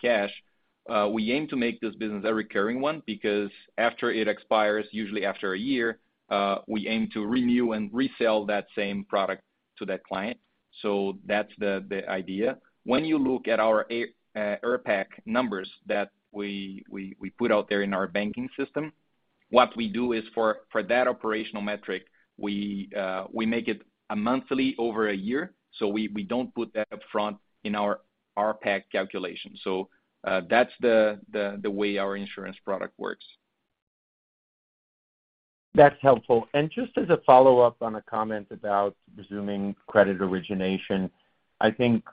cash a recurring one because after it expires, usually after a year, we aim to renew and resell that same product to that client. That's the idea. When you look at our RPAC numbers that we put out there in our banking system, what we do is for that operational metric, we make it a monthly over a year, we don't put that up front in our RPAC calculation. That's the way our insurance product works. That's helpful. Just as a follow-up on a comment about resuming credit origination, I think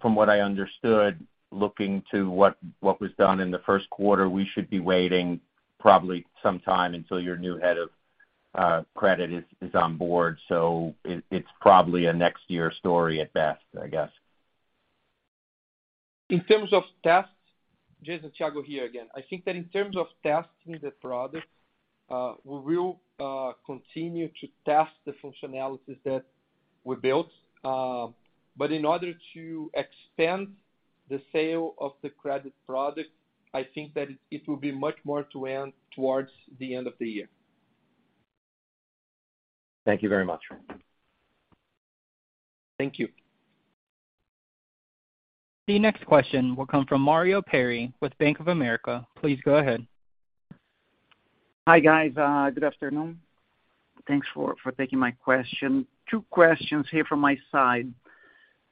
from what I understood, looking to what was done in the first quarter, we should be waiting probably some time until your new head of credit is on board. It's probably a next year story at best, I guess. In terms of testing, Jason, Thiago here again. I think that in terms of testing the product, we will continue to test the functionalities that we built. In order to expand the sales of the credit product, I think that it will be much more intent towards the end of the year. Thank you very much. Thank you. The next question will come from Mario Pierry with Bank of America. Please go ahead. Hi, guys. Good afternoon. Thanks for taking my question. Two questions here from my side.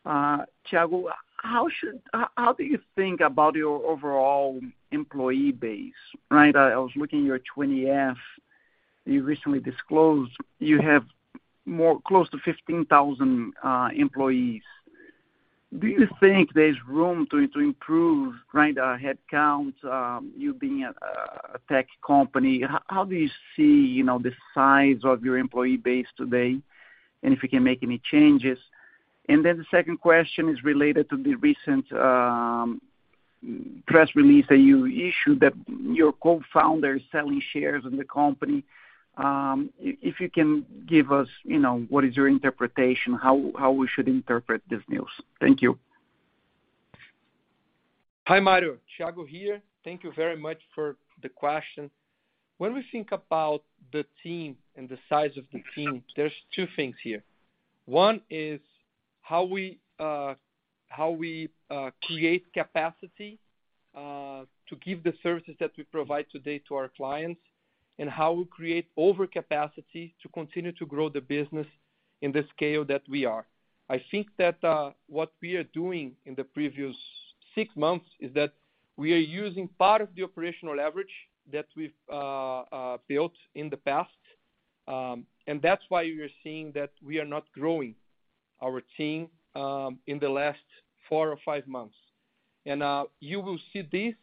Thiago, how do you think about your overall employee base, right? I was looking at your 20-F. You recently disclosed you have closer to 15,000 employees. Do you think there's room to improve, right, headcount, you being a tech company? How do you see the size of your employee base today, and if you can make any changes? The second question is related to the recent press release that you issued that your co-founder is selling shares in the company. If you can give us what is your interpretation, how we should interpret this news. Thank you. Hi, Mario. Thiago here. Thank you very much for the question. When we think about the team and the size of the team, there's two things here. One is how we create capacity to give the services that we provide today to our clients, and how we create overcapacity to continue to grow the business in the scale that we are. I think that what we are doing in the previous six months is that we are using part of the operational leverage that we've built in the past, and that's why you're seeing that we are not growing our team in the last four or five months. You will see this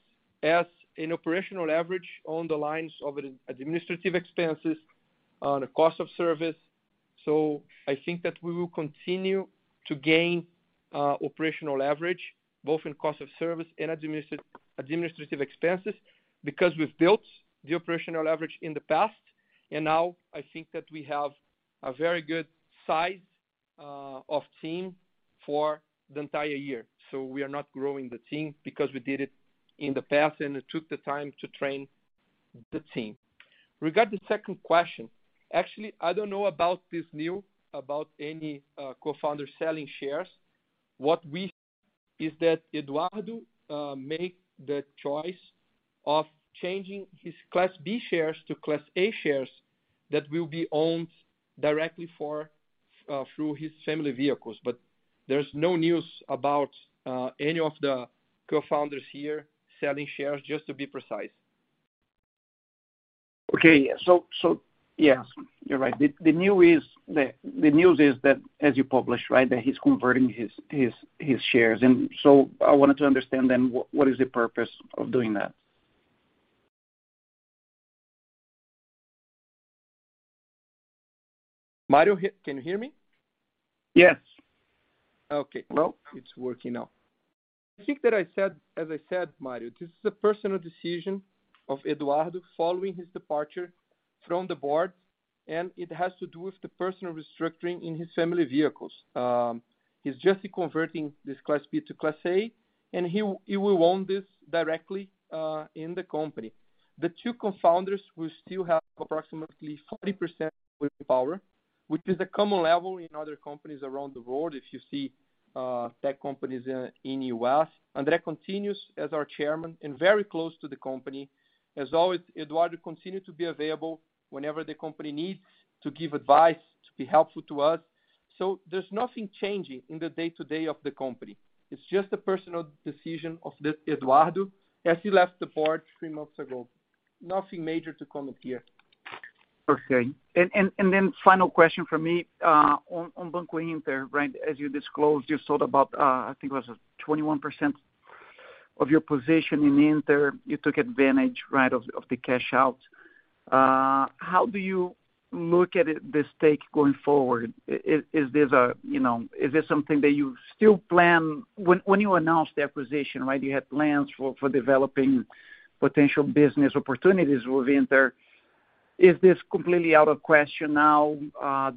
as operational leverage on the lines of administrative expenses, on the cost of service. I think that we will continue to gain operational leverage, both in cost of service and administrative expenses because we've built the operational leverage in the past. Now I think that we have a very good size of team for the entire year. We are not growing the team because we did it in the past, and it took the time to train the team. Regarding the second question, actually, I don't know about this news about any co-founder selling shares. What we know is that Eduardo made the choice of changing his Class B shares to Class A shares that will be owned directly through his family vehicles. There's no news about any of the co-founders here selling shares, just to be precise. Yeah, you're right. The news is that as you publish, right, that he's converting his shares. I wanted to understand then what is the purpose of doing that? Mario, can you hear me? Yes. Okay. Well, it's working now. I think that I said, as I said, Mario, this is a personal decision of Eduardo following his departure from the board, and it has to do with the personal restructuring in his family vehicles. He's just converting this Class B to Class A, and he will own this directly in the company. The two co-founders will still have approximately 40% voting power, which is a common level in other companies around the world if you see tech companies in U.S. That continues as our chairman and very close to the company. As always, Eduardo continue to be available whenever the company needs to give advice, to be helpful to us. There's nothing changing in the day-to-day of the company. It's just a personal decision of Eduardo as he left the board three months ago. Nothing major to comment here. Okay. Then final question from me, on Banco Inter, right? As you disclosed, you sold about, I think it was 21% of your position in Inter. You took advantage, right, of the cash out. How do you look at it, the stake going forward? Is this a, you know, is this something that you still plan? When you announced the acquisition, right, you had plans for developing potential business opportunities with Inter. Is this completely out of question now?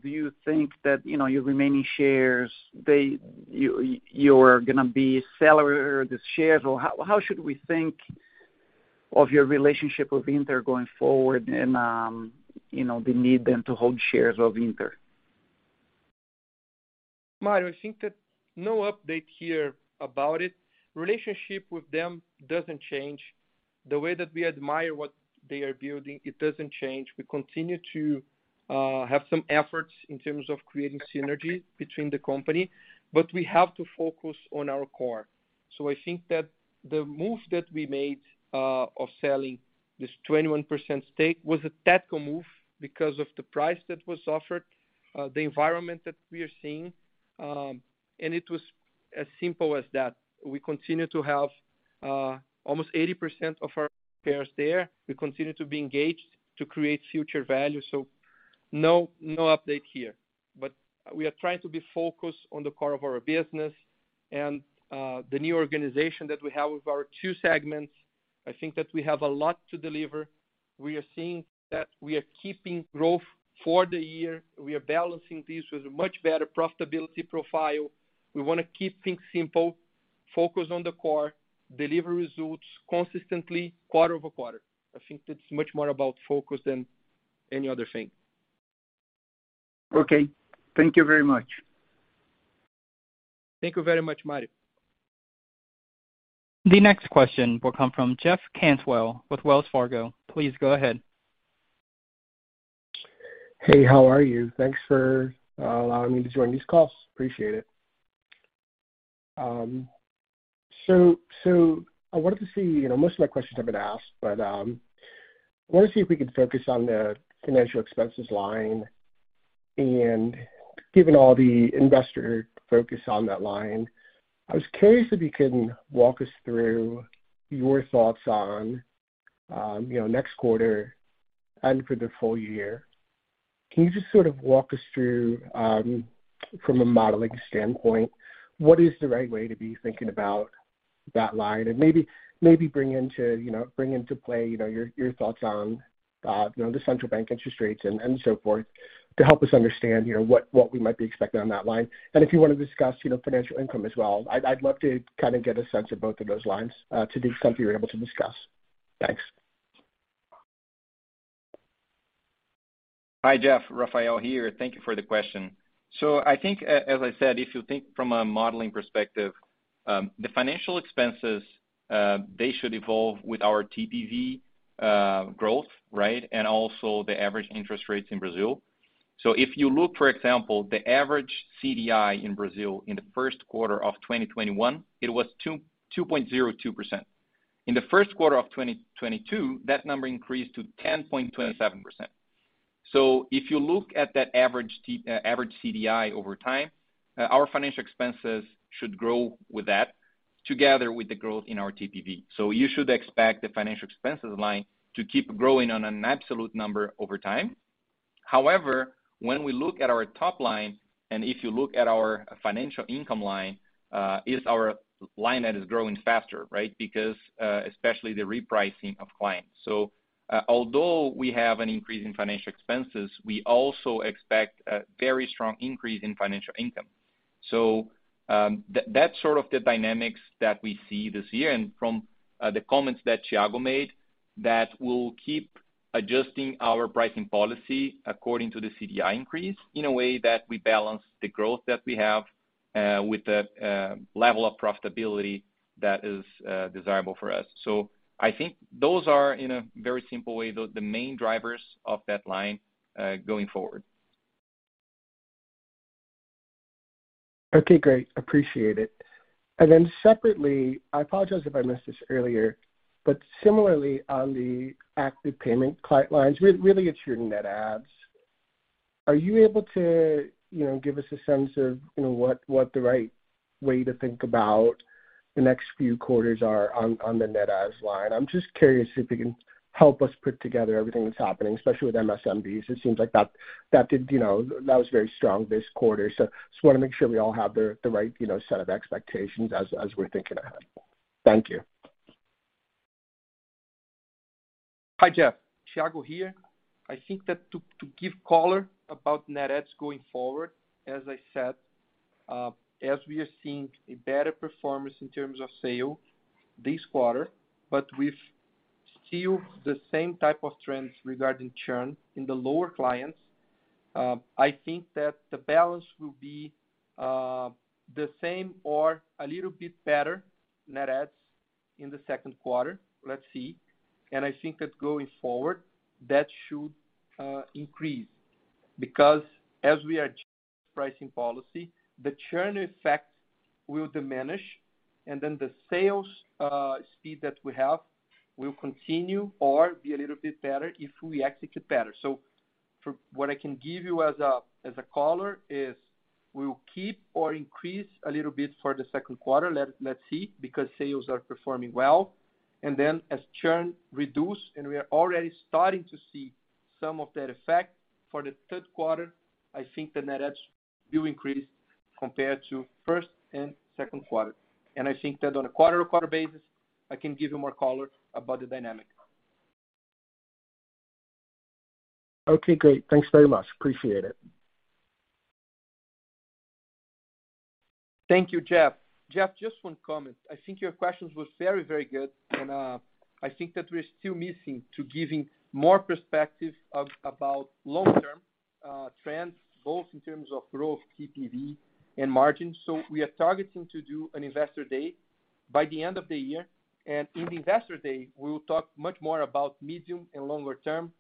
Do you think that, you know, your remaining shares, they-- you're gonna be selling the shares? Or how should we think of your relationship with Inter going forward and, you know, the need then to hold shares of Inter? Mario, I think that no update here about it. Relationship with them doesn't change. The way that we admire what they are building, it doesn't change. We continue to have some efforts in terms of creating synergy between the company, but we have to focus on our core. I think that the move that we made of selling this 21% stake was a tactical move because of the price that was offered, the environment that we are seeing. It was as simple as that. We continue to have almost 80% of our shares there. We continue to be engaged to create future value. No, no update here. We are trying to be focused on the core of our business and the new organization that we have with our two segments. I think that we have a lot to deliver. We are seeing that we are keeping growth for the year. We are balancing this with a much better profitability profile. We wanna keep things simple, focus on the core, deliver results consistently quarter-over-quarter. I think that's much more about focus than any other thing. Okay. Thank you very much. Thank you very much, Mario. The next question will come from Jeff Cantwell with Wells Fargo. Please go ahead. Hey, how are you? Thanks for allowing me to join these calls. Appreciate it. So I wanted to see, you know, most of my questions have been asked, but I wanna see if we could focus on the financial expenses line. Given all the investor focus on that line, I was curious if you can walk us through your thoughts on, you know, next quarter and for the full year. Can you just sort of walk us through, from a modeling standpoint, what is the right way to be thinking about that line? Maybe bring into play, you know, your thoughts on, you know, the central bank interest rates and so forth to help us understand, you know, what we might be expecting on that line. If you wanna discuss, you know, financial income as well, I'd love to kind of get a sense of both of those lines, to the extent you're able to discuss. Thanks. Hi, Jeff. Rafael Martins here. Thank you for the question. I think, as I said, if you think from a modeling perspective, the financial expenses, they should evolve with our TPV growth, right? Also the average interest rates in Brazil. If you look, for example, the average CDI in Brazil in the first quarter of 2021, it was 2.02%. In the first quarter of 2022, that number increased to 10.27%. If you look at that average CDI over time, our financial expenses should grow with that together with the growth in our TPV. You should expect the financial expenses line to keep growing on an absolute number over time. However, when we look at our top line, and if you look at our financial income line, is our line that is growing faster, right? Because, especially the repricing of clients. Although we have an increase in financial expenses, we also expect a very strong increase in financial income. That's sort of the dynamics that we see this year, and from the comments that Thiago made, that we'll keep adjusting our pricing policy according to the CDI increase in a way that we balance the growth that we have with the level of profitability that is desirable for us. I think those are, in a very simple way, the main drivers of that line going forward. Okay, great. Appreciate it. Then separately, I apologize if I missed this earlier, but similarly, on the active payment client lines, really it's your net adds. Are you able to, you know, give us a sense of, you know, what the right way to think about the next few quarters are on the net adds line? I'm just curious if you can help us put together everything that's happening, especially with MSMBs. It seems like that did, you know, that was very strong this quarter. Just wanna make sure we all have the right, you know, set of expectations as we're thinking ahead. Thank you. Hi, Jeff. Thiago here. I think that to give color about net adds going forward, as I said, as we are seeing a better performance in terms of sales this quarter, but with still the same type of trends regarding churn in the lower clients, I think that the balance will be the same or a little bit better net adds in the second quarter. Let's see. I think that going forward, that should increase because as we adjust pricing policy, the churn effect will diminish, and then the sales speed that we have will continue or be a little bit better if we execute better. For what I can give you as a color is we will keep or increase a little bit for the second quarter. Let's see, because sales are performing well. Then as churn reduces, and we are already starting to see some of that effect for the third quarter, I think the net adds will increase compared to first and second quarter. I think that on a quarter-to-quarter basis, I can give you more color about the dynamics. Okay, great. Thanks very much. Appreciate it. Thank you, Jeff. Jeff, just one comment. I think your question was very, very good and I think that we're still missing to giving more perspective about long-term trends, both in terms of growth, TPV and margins. We are targeting to do an investor day by the end of the year. In the investor day, we will talk much more about medium and longer term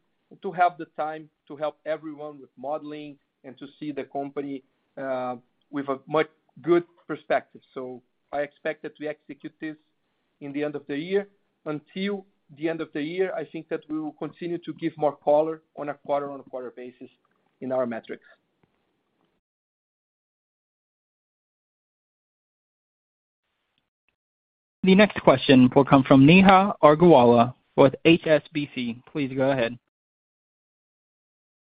to have the time to help everyone with modeling and to see the company with a much good perspective. I expect that we execute this in the end of the year. Until the end of the year, I think that we will continue to give more color on a quarter-on-quarter basis in our metrics. The next question will come from Neha Agarwala with HSBC. Please go ahead.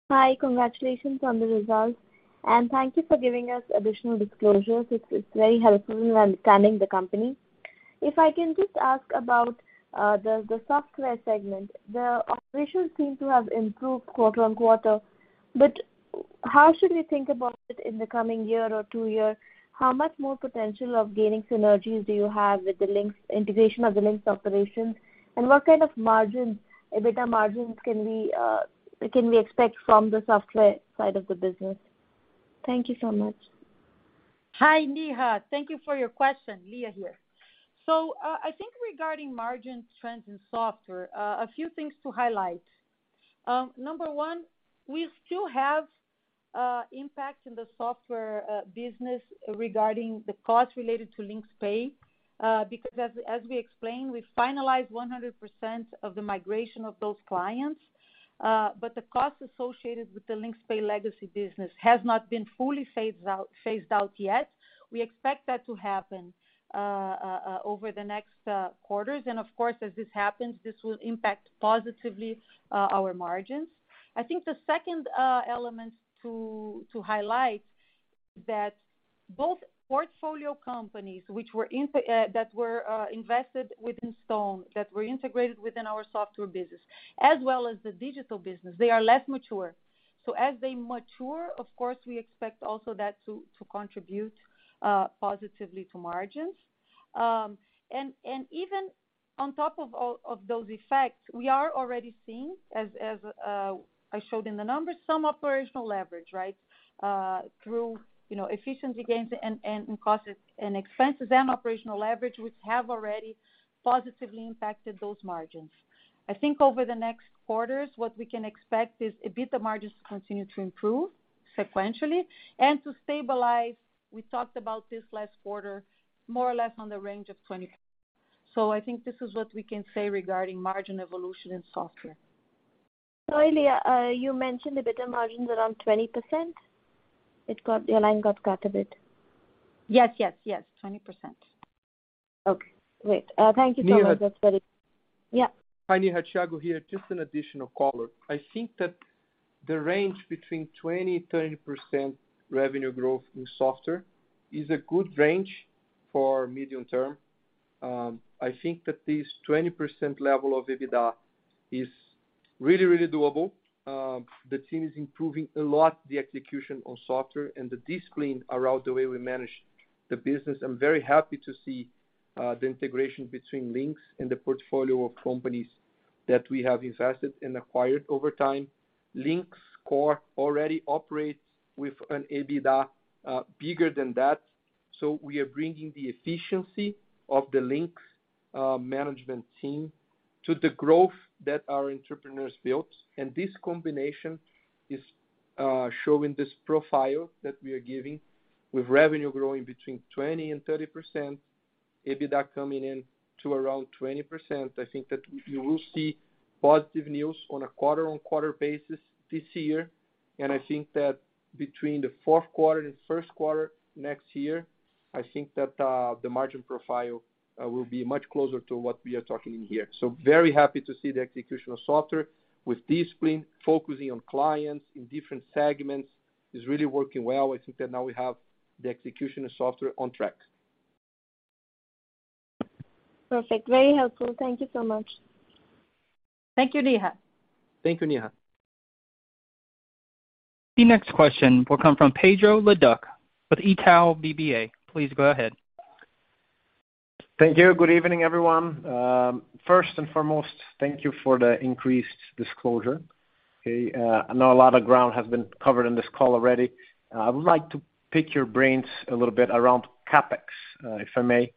Hi. Congratulations on the results, and thank you for giving us additional disclosures. It's very helpful in understanding the company. If I can just ask about the software segment. The operations seem to have improved quarter-over-quarter, but how should we think about it in the coming year or two year? How much more potential of gaining synergies do you have with the Linx integration of the Linx operations? And what kind of margins, EBITDA margins can we expect from the software side of the business? Thank you so much. Hi, Neha. Thank you for your question. Lia here. I think regarding margin trends in software, a few things to highlight. Number one, we still have impact in the software business regarding the cost related to LinxPay because as we explained, we finalized 100% of the migration of those clients, but the cost associated with the LinxPay legacy business has not been fully phased out yet. We expect that to happen over the next quarters. Of course, as this happens, this will impact positively our margins. I think the second element to highlight that both portfolio companies which were invested within Stone that were integrated within our software business, as well as the digital business, they are less mature. As they mature, of course, we expect also that to contribute positively to margins. Even on top of all of those effects, we are already seeing, as I showed in the numbers, some operational leverage, right? Through you know, efficiency gains and in costs and expenses and operational leverage, which have already positively impacted those margins. I think over the next quarters, what we can expect is a bit of margins continue to improve sequentially and to stabilize, we talked about this last quarter more or less on the range of 20%. I think this is what we can say regarding margin evolution in software. Sorry, Lia, you mentioned EBITDA margins around 20%. Your line got cut a bit. Yes, 20%. Okay, great. Thank you so much. That's very- Neha. Yeah. Hi, Neha, Thiago here. Just an additional color. I think that the range between 20%-30% revenue growth in software is a good range for medium term. I think that this 20% level of EBITDA is really doable. The team is improving a lot the execution on software and the discipline around the way we manage the business. I'm very happy to see the integration between Linx and the portfolio of companies that we have invested and acquired over time. Linx core already operates with an EBITDA bigger than that. We are bringing the efficiency of the Linx management team to the growth that our entrepreneurs built. This combination is showing this profile that we are giving, with revenue growing between 20%-30%, EBITDA coming in to around 20%. I think that we will see positive news on a quarter-on-quarter basis this year. I think that between the fourth quarter and first quarter next year, I think that the margin profile will be much closer to what we are talking here. Very happy to see the execution of software with discipline, focusing on clients in different segments is really working well. I think that now we have the execution of software on track. Perfect. Very helpful. Thank you so much. Thank you, Neha. Thank you, Neha. The next question will come from Pedro Leduc with Itaú BBA. Please go ahead. Thank you. Good evening, everyone. First and foremost, thank you for the increased disclosure, okay. I know a lot of ground has been covered in this call already. I would like to pick your brains a little bit around CapEx, if I may.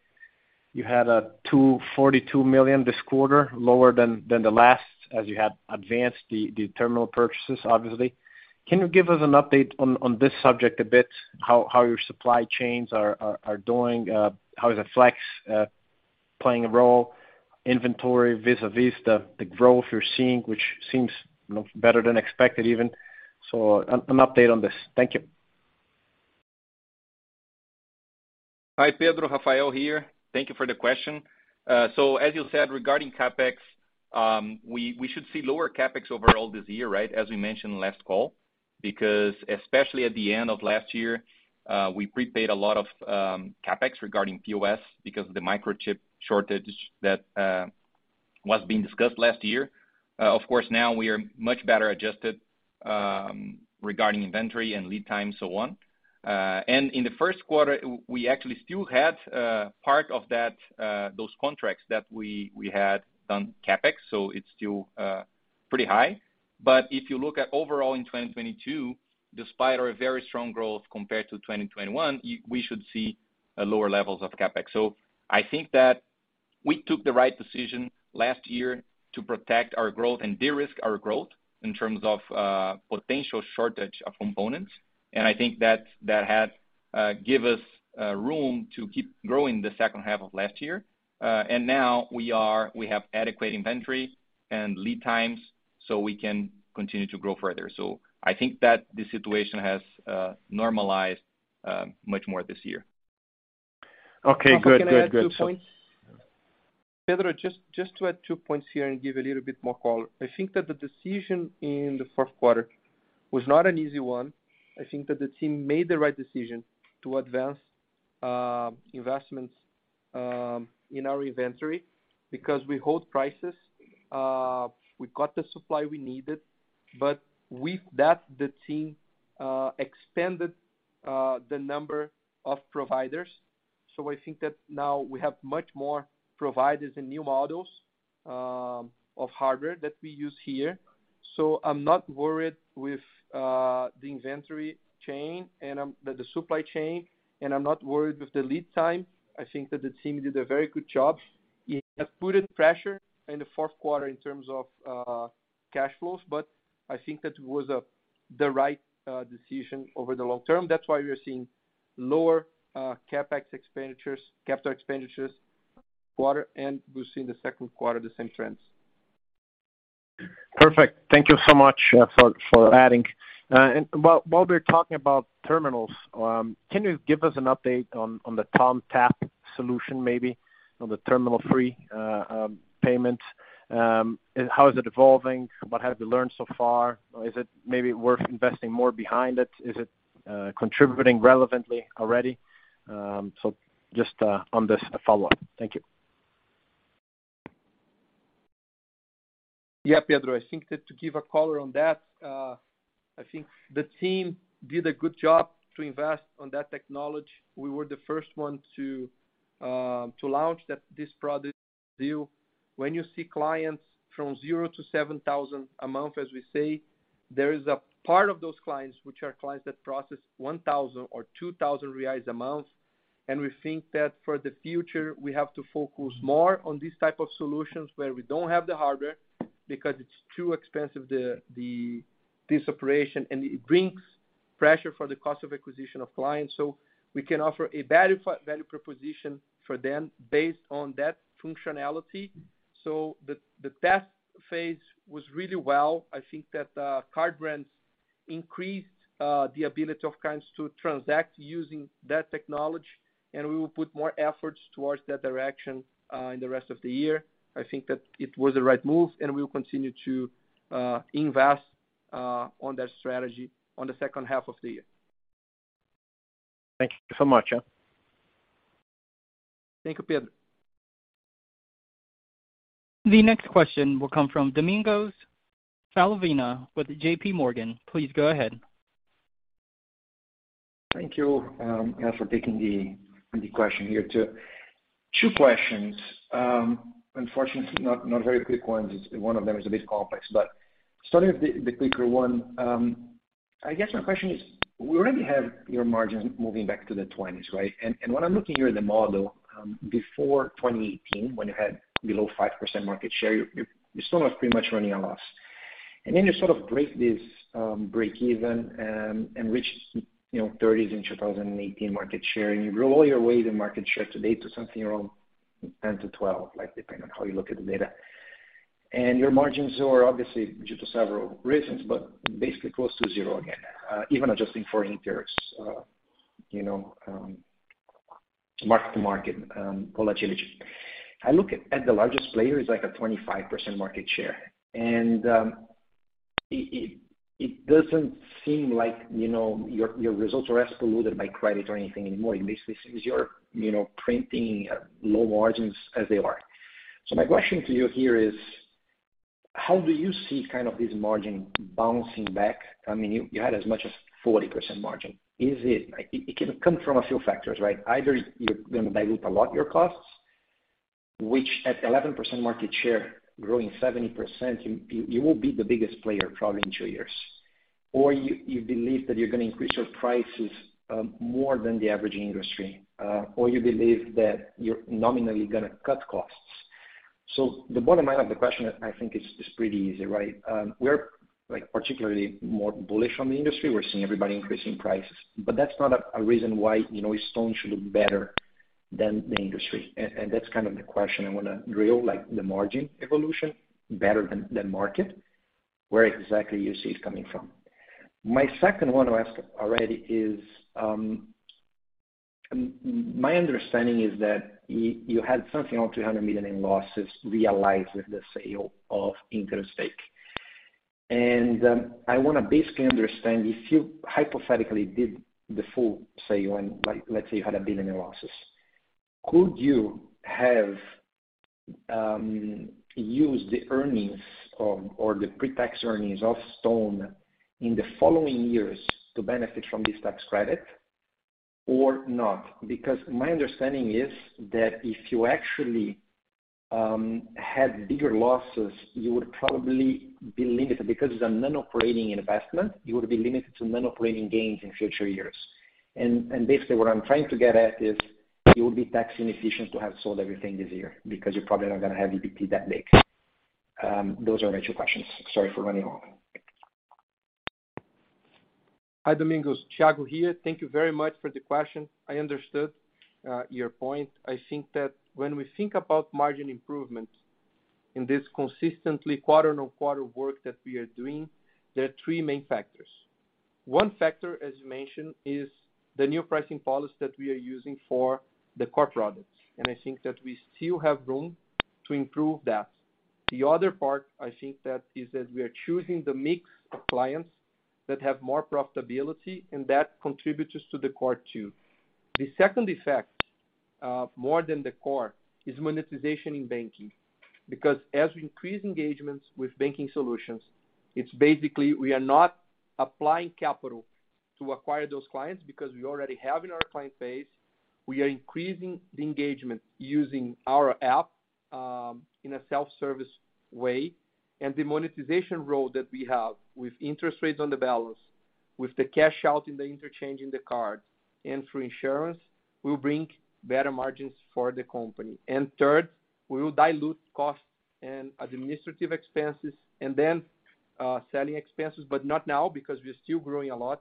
You had 242 million this quarter, lower than the last as you had advanced the terminal purchases, obviously. Can you give us an update on this subject a bit? How your supply chains are doing, how is the flex playing a role, inventory vis-à-vis the growth you're seeing, which seems, you know, better than expected even. An update on this. Thank you. Hi, Pedro. Rafael here. Thank you for the question. As you said, regarding CapEx, we should see lower CapEx overall this year, right, as we mentioned last call. Because especially at the end of last year, we prepaid a lot of CapEx regarding POS because of the microchip shortage that was being discussed last year. Of course, now we are much better adjusted regarding inventory and lead time and so on. In the first quarter, we actually still had part of that, those contracts that we had done CapEx, so it's still pretty high. If you look at overall in 2022, despite our very strong growth compared to 2021, we should see lower levels of CapEx. I think that we took the right decision last year to protect our growth and de-risk our growth in terms of potential shortage of components. I think that that has give us room to keep growing the second half of last year. We have adequate inventory and lead times, so we can continue to grow further. I think that the situation has normalized much more this year. Okay, good. Pedro, can I add two points? Pedro, just to add two points here and give a little bit more color. I think that the decision in the fourth quarter was not an easy one. I think that the team made the right decision to advance investments in our inventory because we hold prices. We got the supply we needed, but with that, the team expanded the number of providers. I think that now we have much more providers and new models of hardware that we use here. I'm not worried with the supply chain, and I'm not worried with the lead time. I think that the team did a very good job. It has put a pressure in the fourth quarter in terms of cash flows, but I think that was the right decision over the long term. That's why we are seeing lower CapEx expenditures, capital expenditures quarter, and we'll see in the second quarter the same trends. Perfect. Thank you so much for adding. While we're talking about terminals, can you give us an update on the Tap on Phone solution maybe, on the terminal-free payment? How is it evolving? What have you learned so far or is it maybe worth investing more behind it? Is it contributing relevantly already? Just on this, a follow-up. Thank you. Yeah, Pedro, I think that to give a color on that, I think the team did a good job to invest on that technology. We were the first one to launch this product because it's too expensive, this operation, and it brings pressure for the cost of acquisition of clients. So we can offer a value proposition for them based on that functionality. So the test phase was really well. I think that card brands increased the ability of clients to transact using that technology, and we will put more efforts towards that direction in the rest of the year. I think that it was the right move, and we will continue to invest on that strategy on the second half of the year. Thank you so much. Thank you, Pedro. The next question will come from Domingos Falavina with J.P. Morgan. Please go ahead. Thank you for taking the question here too. Two questions. Unfortunately, not very quick ones. One of them is a bit complex. Starting with the quicker one, I guess my question is, we already have your margins moving back to the 20s, right? When I'm looking here at the model, before 2018, when you had below 5% market share, you're still not pretty much running a loss. Then you sort of break even, you know, and reach 30s in 2018 market share, and you roll all your way to market share today to something around 10%-12%, like depending on how you look at the data. Your margins are obviously due to several reasons, but basically close to zero again, even adjusting for interest, you know, mark-to-market volatility. I look at the largest player is like a 25% market share, and it doesn't seem like, you know, your results are excluded by credit or anything anymore. Basically is your, you know, printing low margins as they are. My question to you here is how do you see kind of this margin bouncing back? I mean, you had as much as 40% margin. Is it. It can come from a few factors, right? Either you're gonna dilute a lot your costs, which at 11% market share growing 70%, you will be the biggest player probably in two years. You believe that you're gonna increase your prices more than the average industry, or you believe that you're nominally gonna cut costs. The bottom line of the question I think is pretty easy, right? We're like particularly more bullish on the industry. We're seeing everybody increasing prices, but that's not a reason why, you know, Stone should look better than the industry. That's kind of the question I wanna drill, like the margin evolution better than market. Where exactly you see it coming from? My second one to ask already is, my understanding is that you had something on 300 million in losses realized with the sale of Banco Inter's stake. I wanna basically understand if you hypothetically did the full sale and like let's say you had 1 billion in losses, could you have used the earnings or the pre-tax earnings of StoneCo in the following years to benefit from this tax credit or not? Because my understanding is that if you actually had bigger losses, you would probably be limited because it's a non-operating investment, you would be limited to non-operating gains in future years. Basically what I'm trying to get at is you would be tax inefficient to have sold everything this year because you're probably not gonna have EBT that big. Those are my two questions. Sorry for running long. Hi, Domingos. Thiago here. Thank you very much for the question. I understood your point. I think that when we think about margin improvement in this consistently quarter on quarter work that we are doing, there are three main factors. One factor, as you mentioned, is the new pricing policy that we are using for the core products, and I think that we still have room to improve that. The other part, I think that is that we are choosing the mix of clients that have more profitability, and that contributes to the core too. The second effect, more than the core is monetization in banking. Because as we increase engagements with banking solutions, it's basically we are not applying capital to acquire those clients because we already have in our client base. We are increasing the engagement using our app in a self-service way. The monetization role that we have with interest rates on the balance, with the cash out in the interchange in the card and through insurance will bring better margins for the company. Third, we will dilute costs and administrative expenses and then selling expenses, but not now because we are still growing a lot,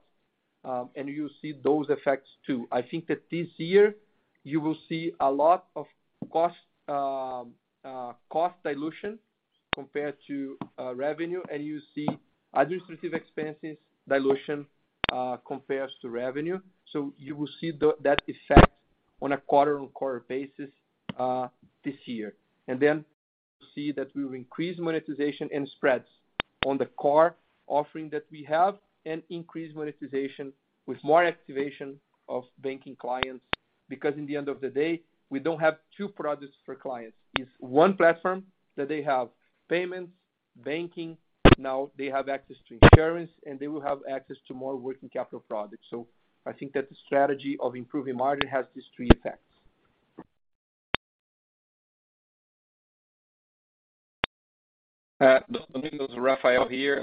and you'll see those effects too. I think that this year you will see a lot of cost dilution compared to revenue, and you'll see administrative expenses dilution compared to revenue. You will see that effect on a quarter-on-quarter basis this year. Then see that we will increase monetization and spreads on the core offering that we have and increase monetization with more activation of banking clients. Because at the end of the day, we don't have two products for clients. It's one platform that they have payments, banking. Now they have access to insurance, and they will have access to more working capital products. I think that the strategy of improving margin has these three effects. Domingos, Rafael here.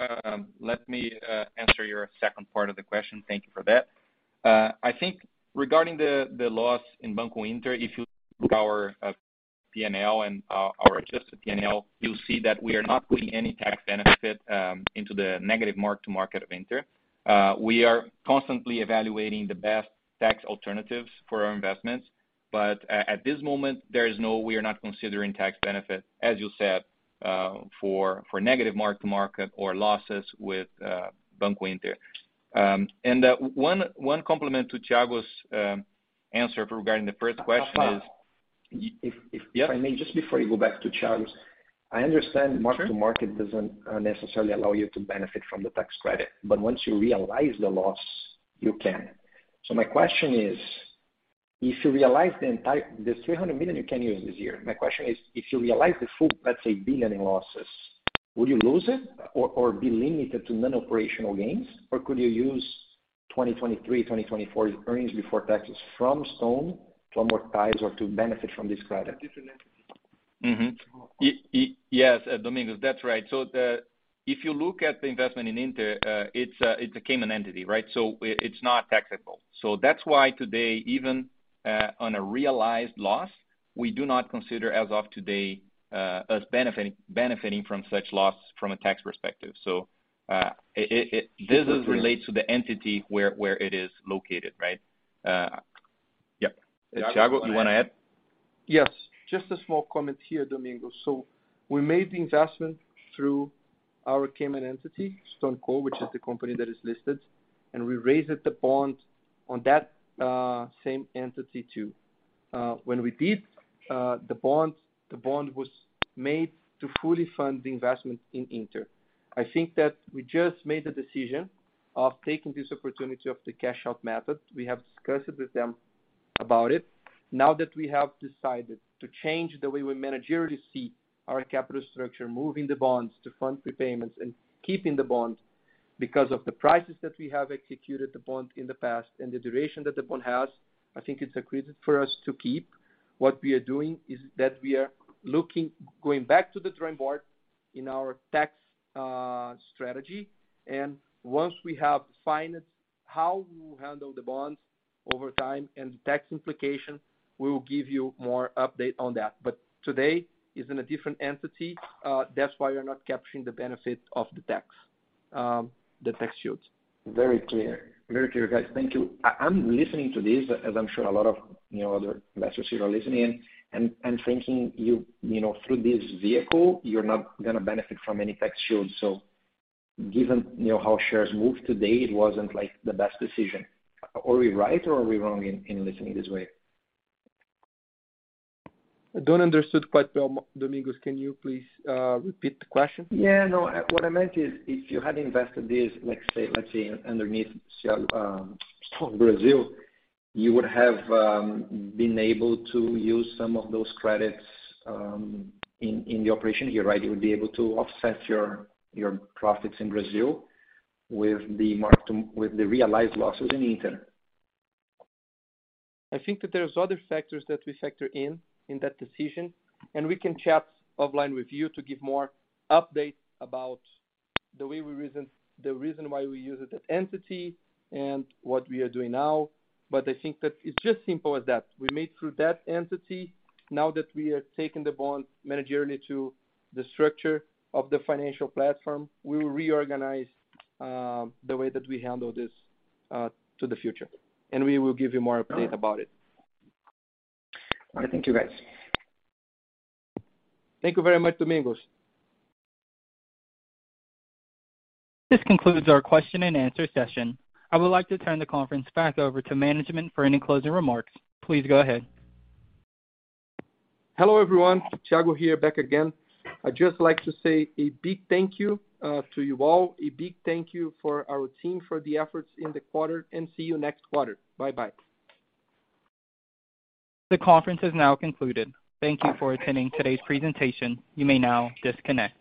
Let me answer your second part of the question. Thank you for that. I think regarding the loss in Banco Inter, if you look at our PNL and our adjusted PNL, you'll see that we are not putting any tax benefit into the negative mark-to-market of Inter. We are constantly evaluating the best tax alternatives for our investments, but at this moment we are not considering tax benefit, as you said, for negative mark to market or losses with Banco Inter. One complement to Thiago's answer regarding the first question is- Rafael, if I may, just before you go back to Thiago's. I understand mark-to-market doesn't necessarily allow you to benefit from the tax credit, but once you realize the loss, you can. My question is, if you realize this 300 million you can use this year. My question is, if you realize the full, let's say, 1 billion in losses, would you lose it or be limited to non-operational gains? Could you use 2023, 2024 earnings before taxes from Stone to amortize or to benefit from this credit? Yes, Domingos, that's right. If you look at the investment in Inter, it's a Cayman entity, right? It's not taxable. That's why today, even on a realized loss, we do not consider, as of today, us benefiting from such loss from a tax perspective. This is related to the entity where it is located, right? Yeah. Thiago, you wanna add? Yes. Just a small comment here, Domingos. We made the investment through our Cayman entity, StoneCo, which is the company that is listed, and we raised the bond on that same entity too. When we did the bond, the bond was made to fully fund the investment in Inter. I think that we just made the decision of taking this opportunity of the cash out method. We have discussed with them about it. Now that we have decided to change the way we managerially see our capital structure, moving the bonds to fund prepayments and keeping the bond because of the prices that we have executed the bond in the past and the duration that the bond has, I think it's accretive for us to keep. What we are doing is that we are looking, going back to the drawing board in our tax strategy. Once we have finalized how we will handle the bonds over time and the tax implication, we will give you more update on that. Today it is in a different entity, that's why you're not capturing the benefit of the tax, the tax shields. Very clear, guys. Thank you. I'm listening to this, as I'm sure a lot of, you know, other investors here are listening in, and I'm thinking you know, through this vehicle, you're not gonna benefit from any tax shields. Given, you know, how shares moved today, it wasn't, like, the best decision. Are we right or are we wrong in listening this way? I don't understand quite well, Domingos. Can you please repeat the question? Yeah, no. What I meant is if you had invested this, let's say, let's say underneath Stone Brazil, you would have been able to use some of those credits in the operation here, right? You would be able to offset your profits in Brazil with the realized losses in Inter. I think that there's other factors that we factor in in that decision, and we can chat offline with you to give more updates about the reason why we use that entity and what we are doing now. I think that it's just simple as that. We made through that entity. Now that we are taking the bond managerially to the structure of the financial platform, we will reorganize the way that we handle this to the future, and we will give you more update about it. All right. Thank you, guys. Thank you very much, Domingos. This concludes our question-and-answer session. I would like to turn the conference back over to management for any closing remarks. Please go ahead. Hello, everyone. Thiago here, back again. I'd just like to say a big thank you to you all. A big thank you for our team for the efforts in the quarter, and see you next quarter. Bye-bye. The conference is now concluded. Thank you for attending today's presentation. You may now disconnect.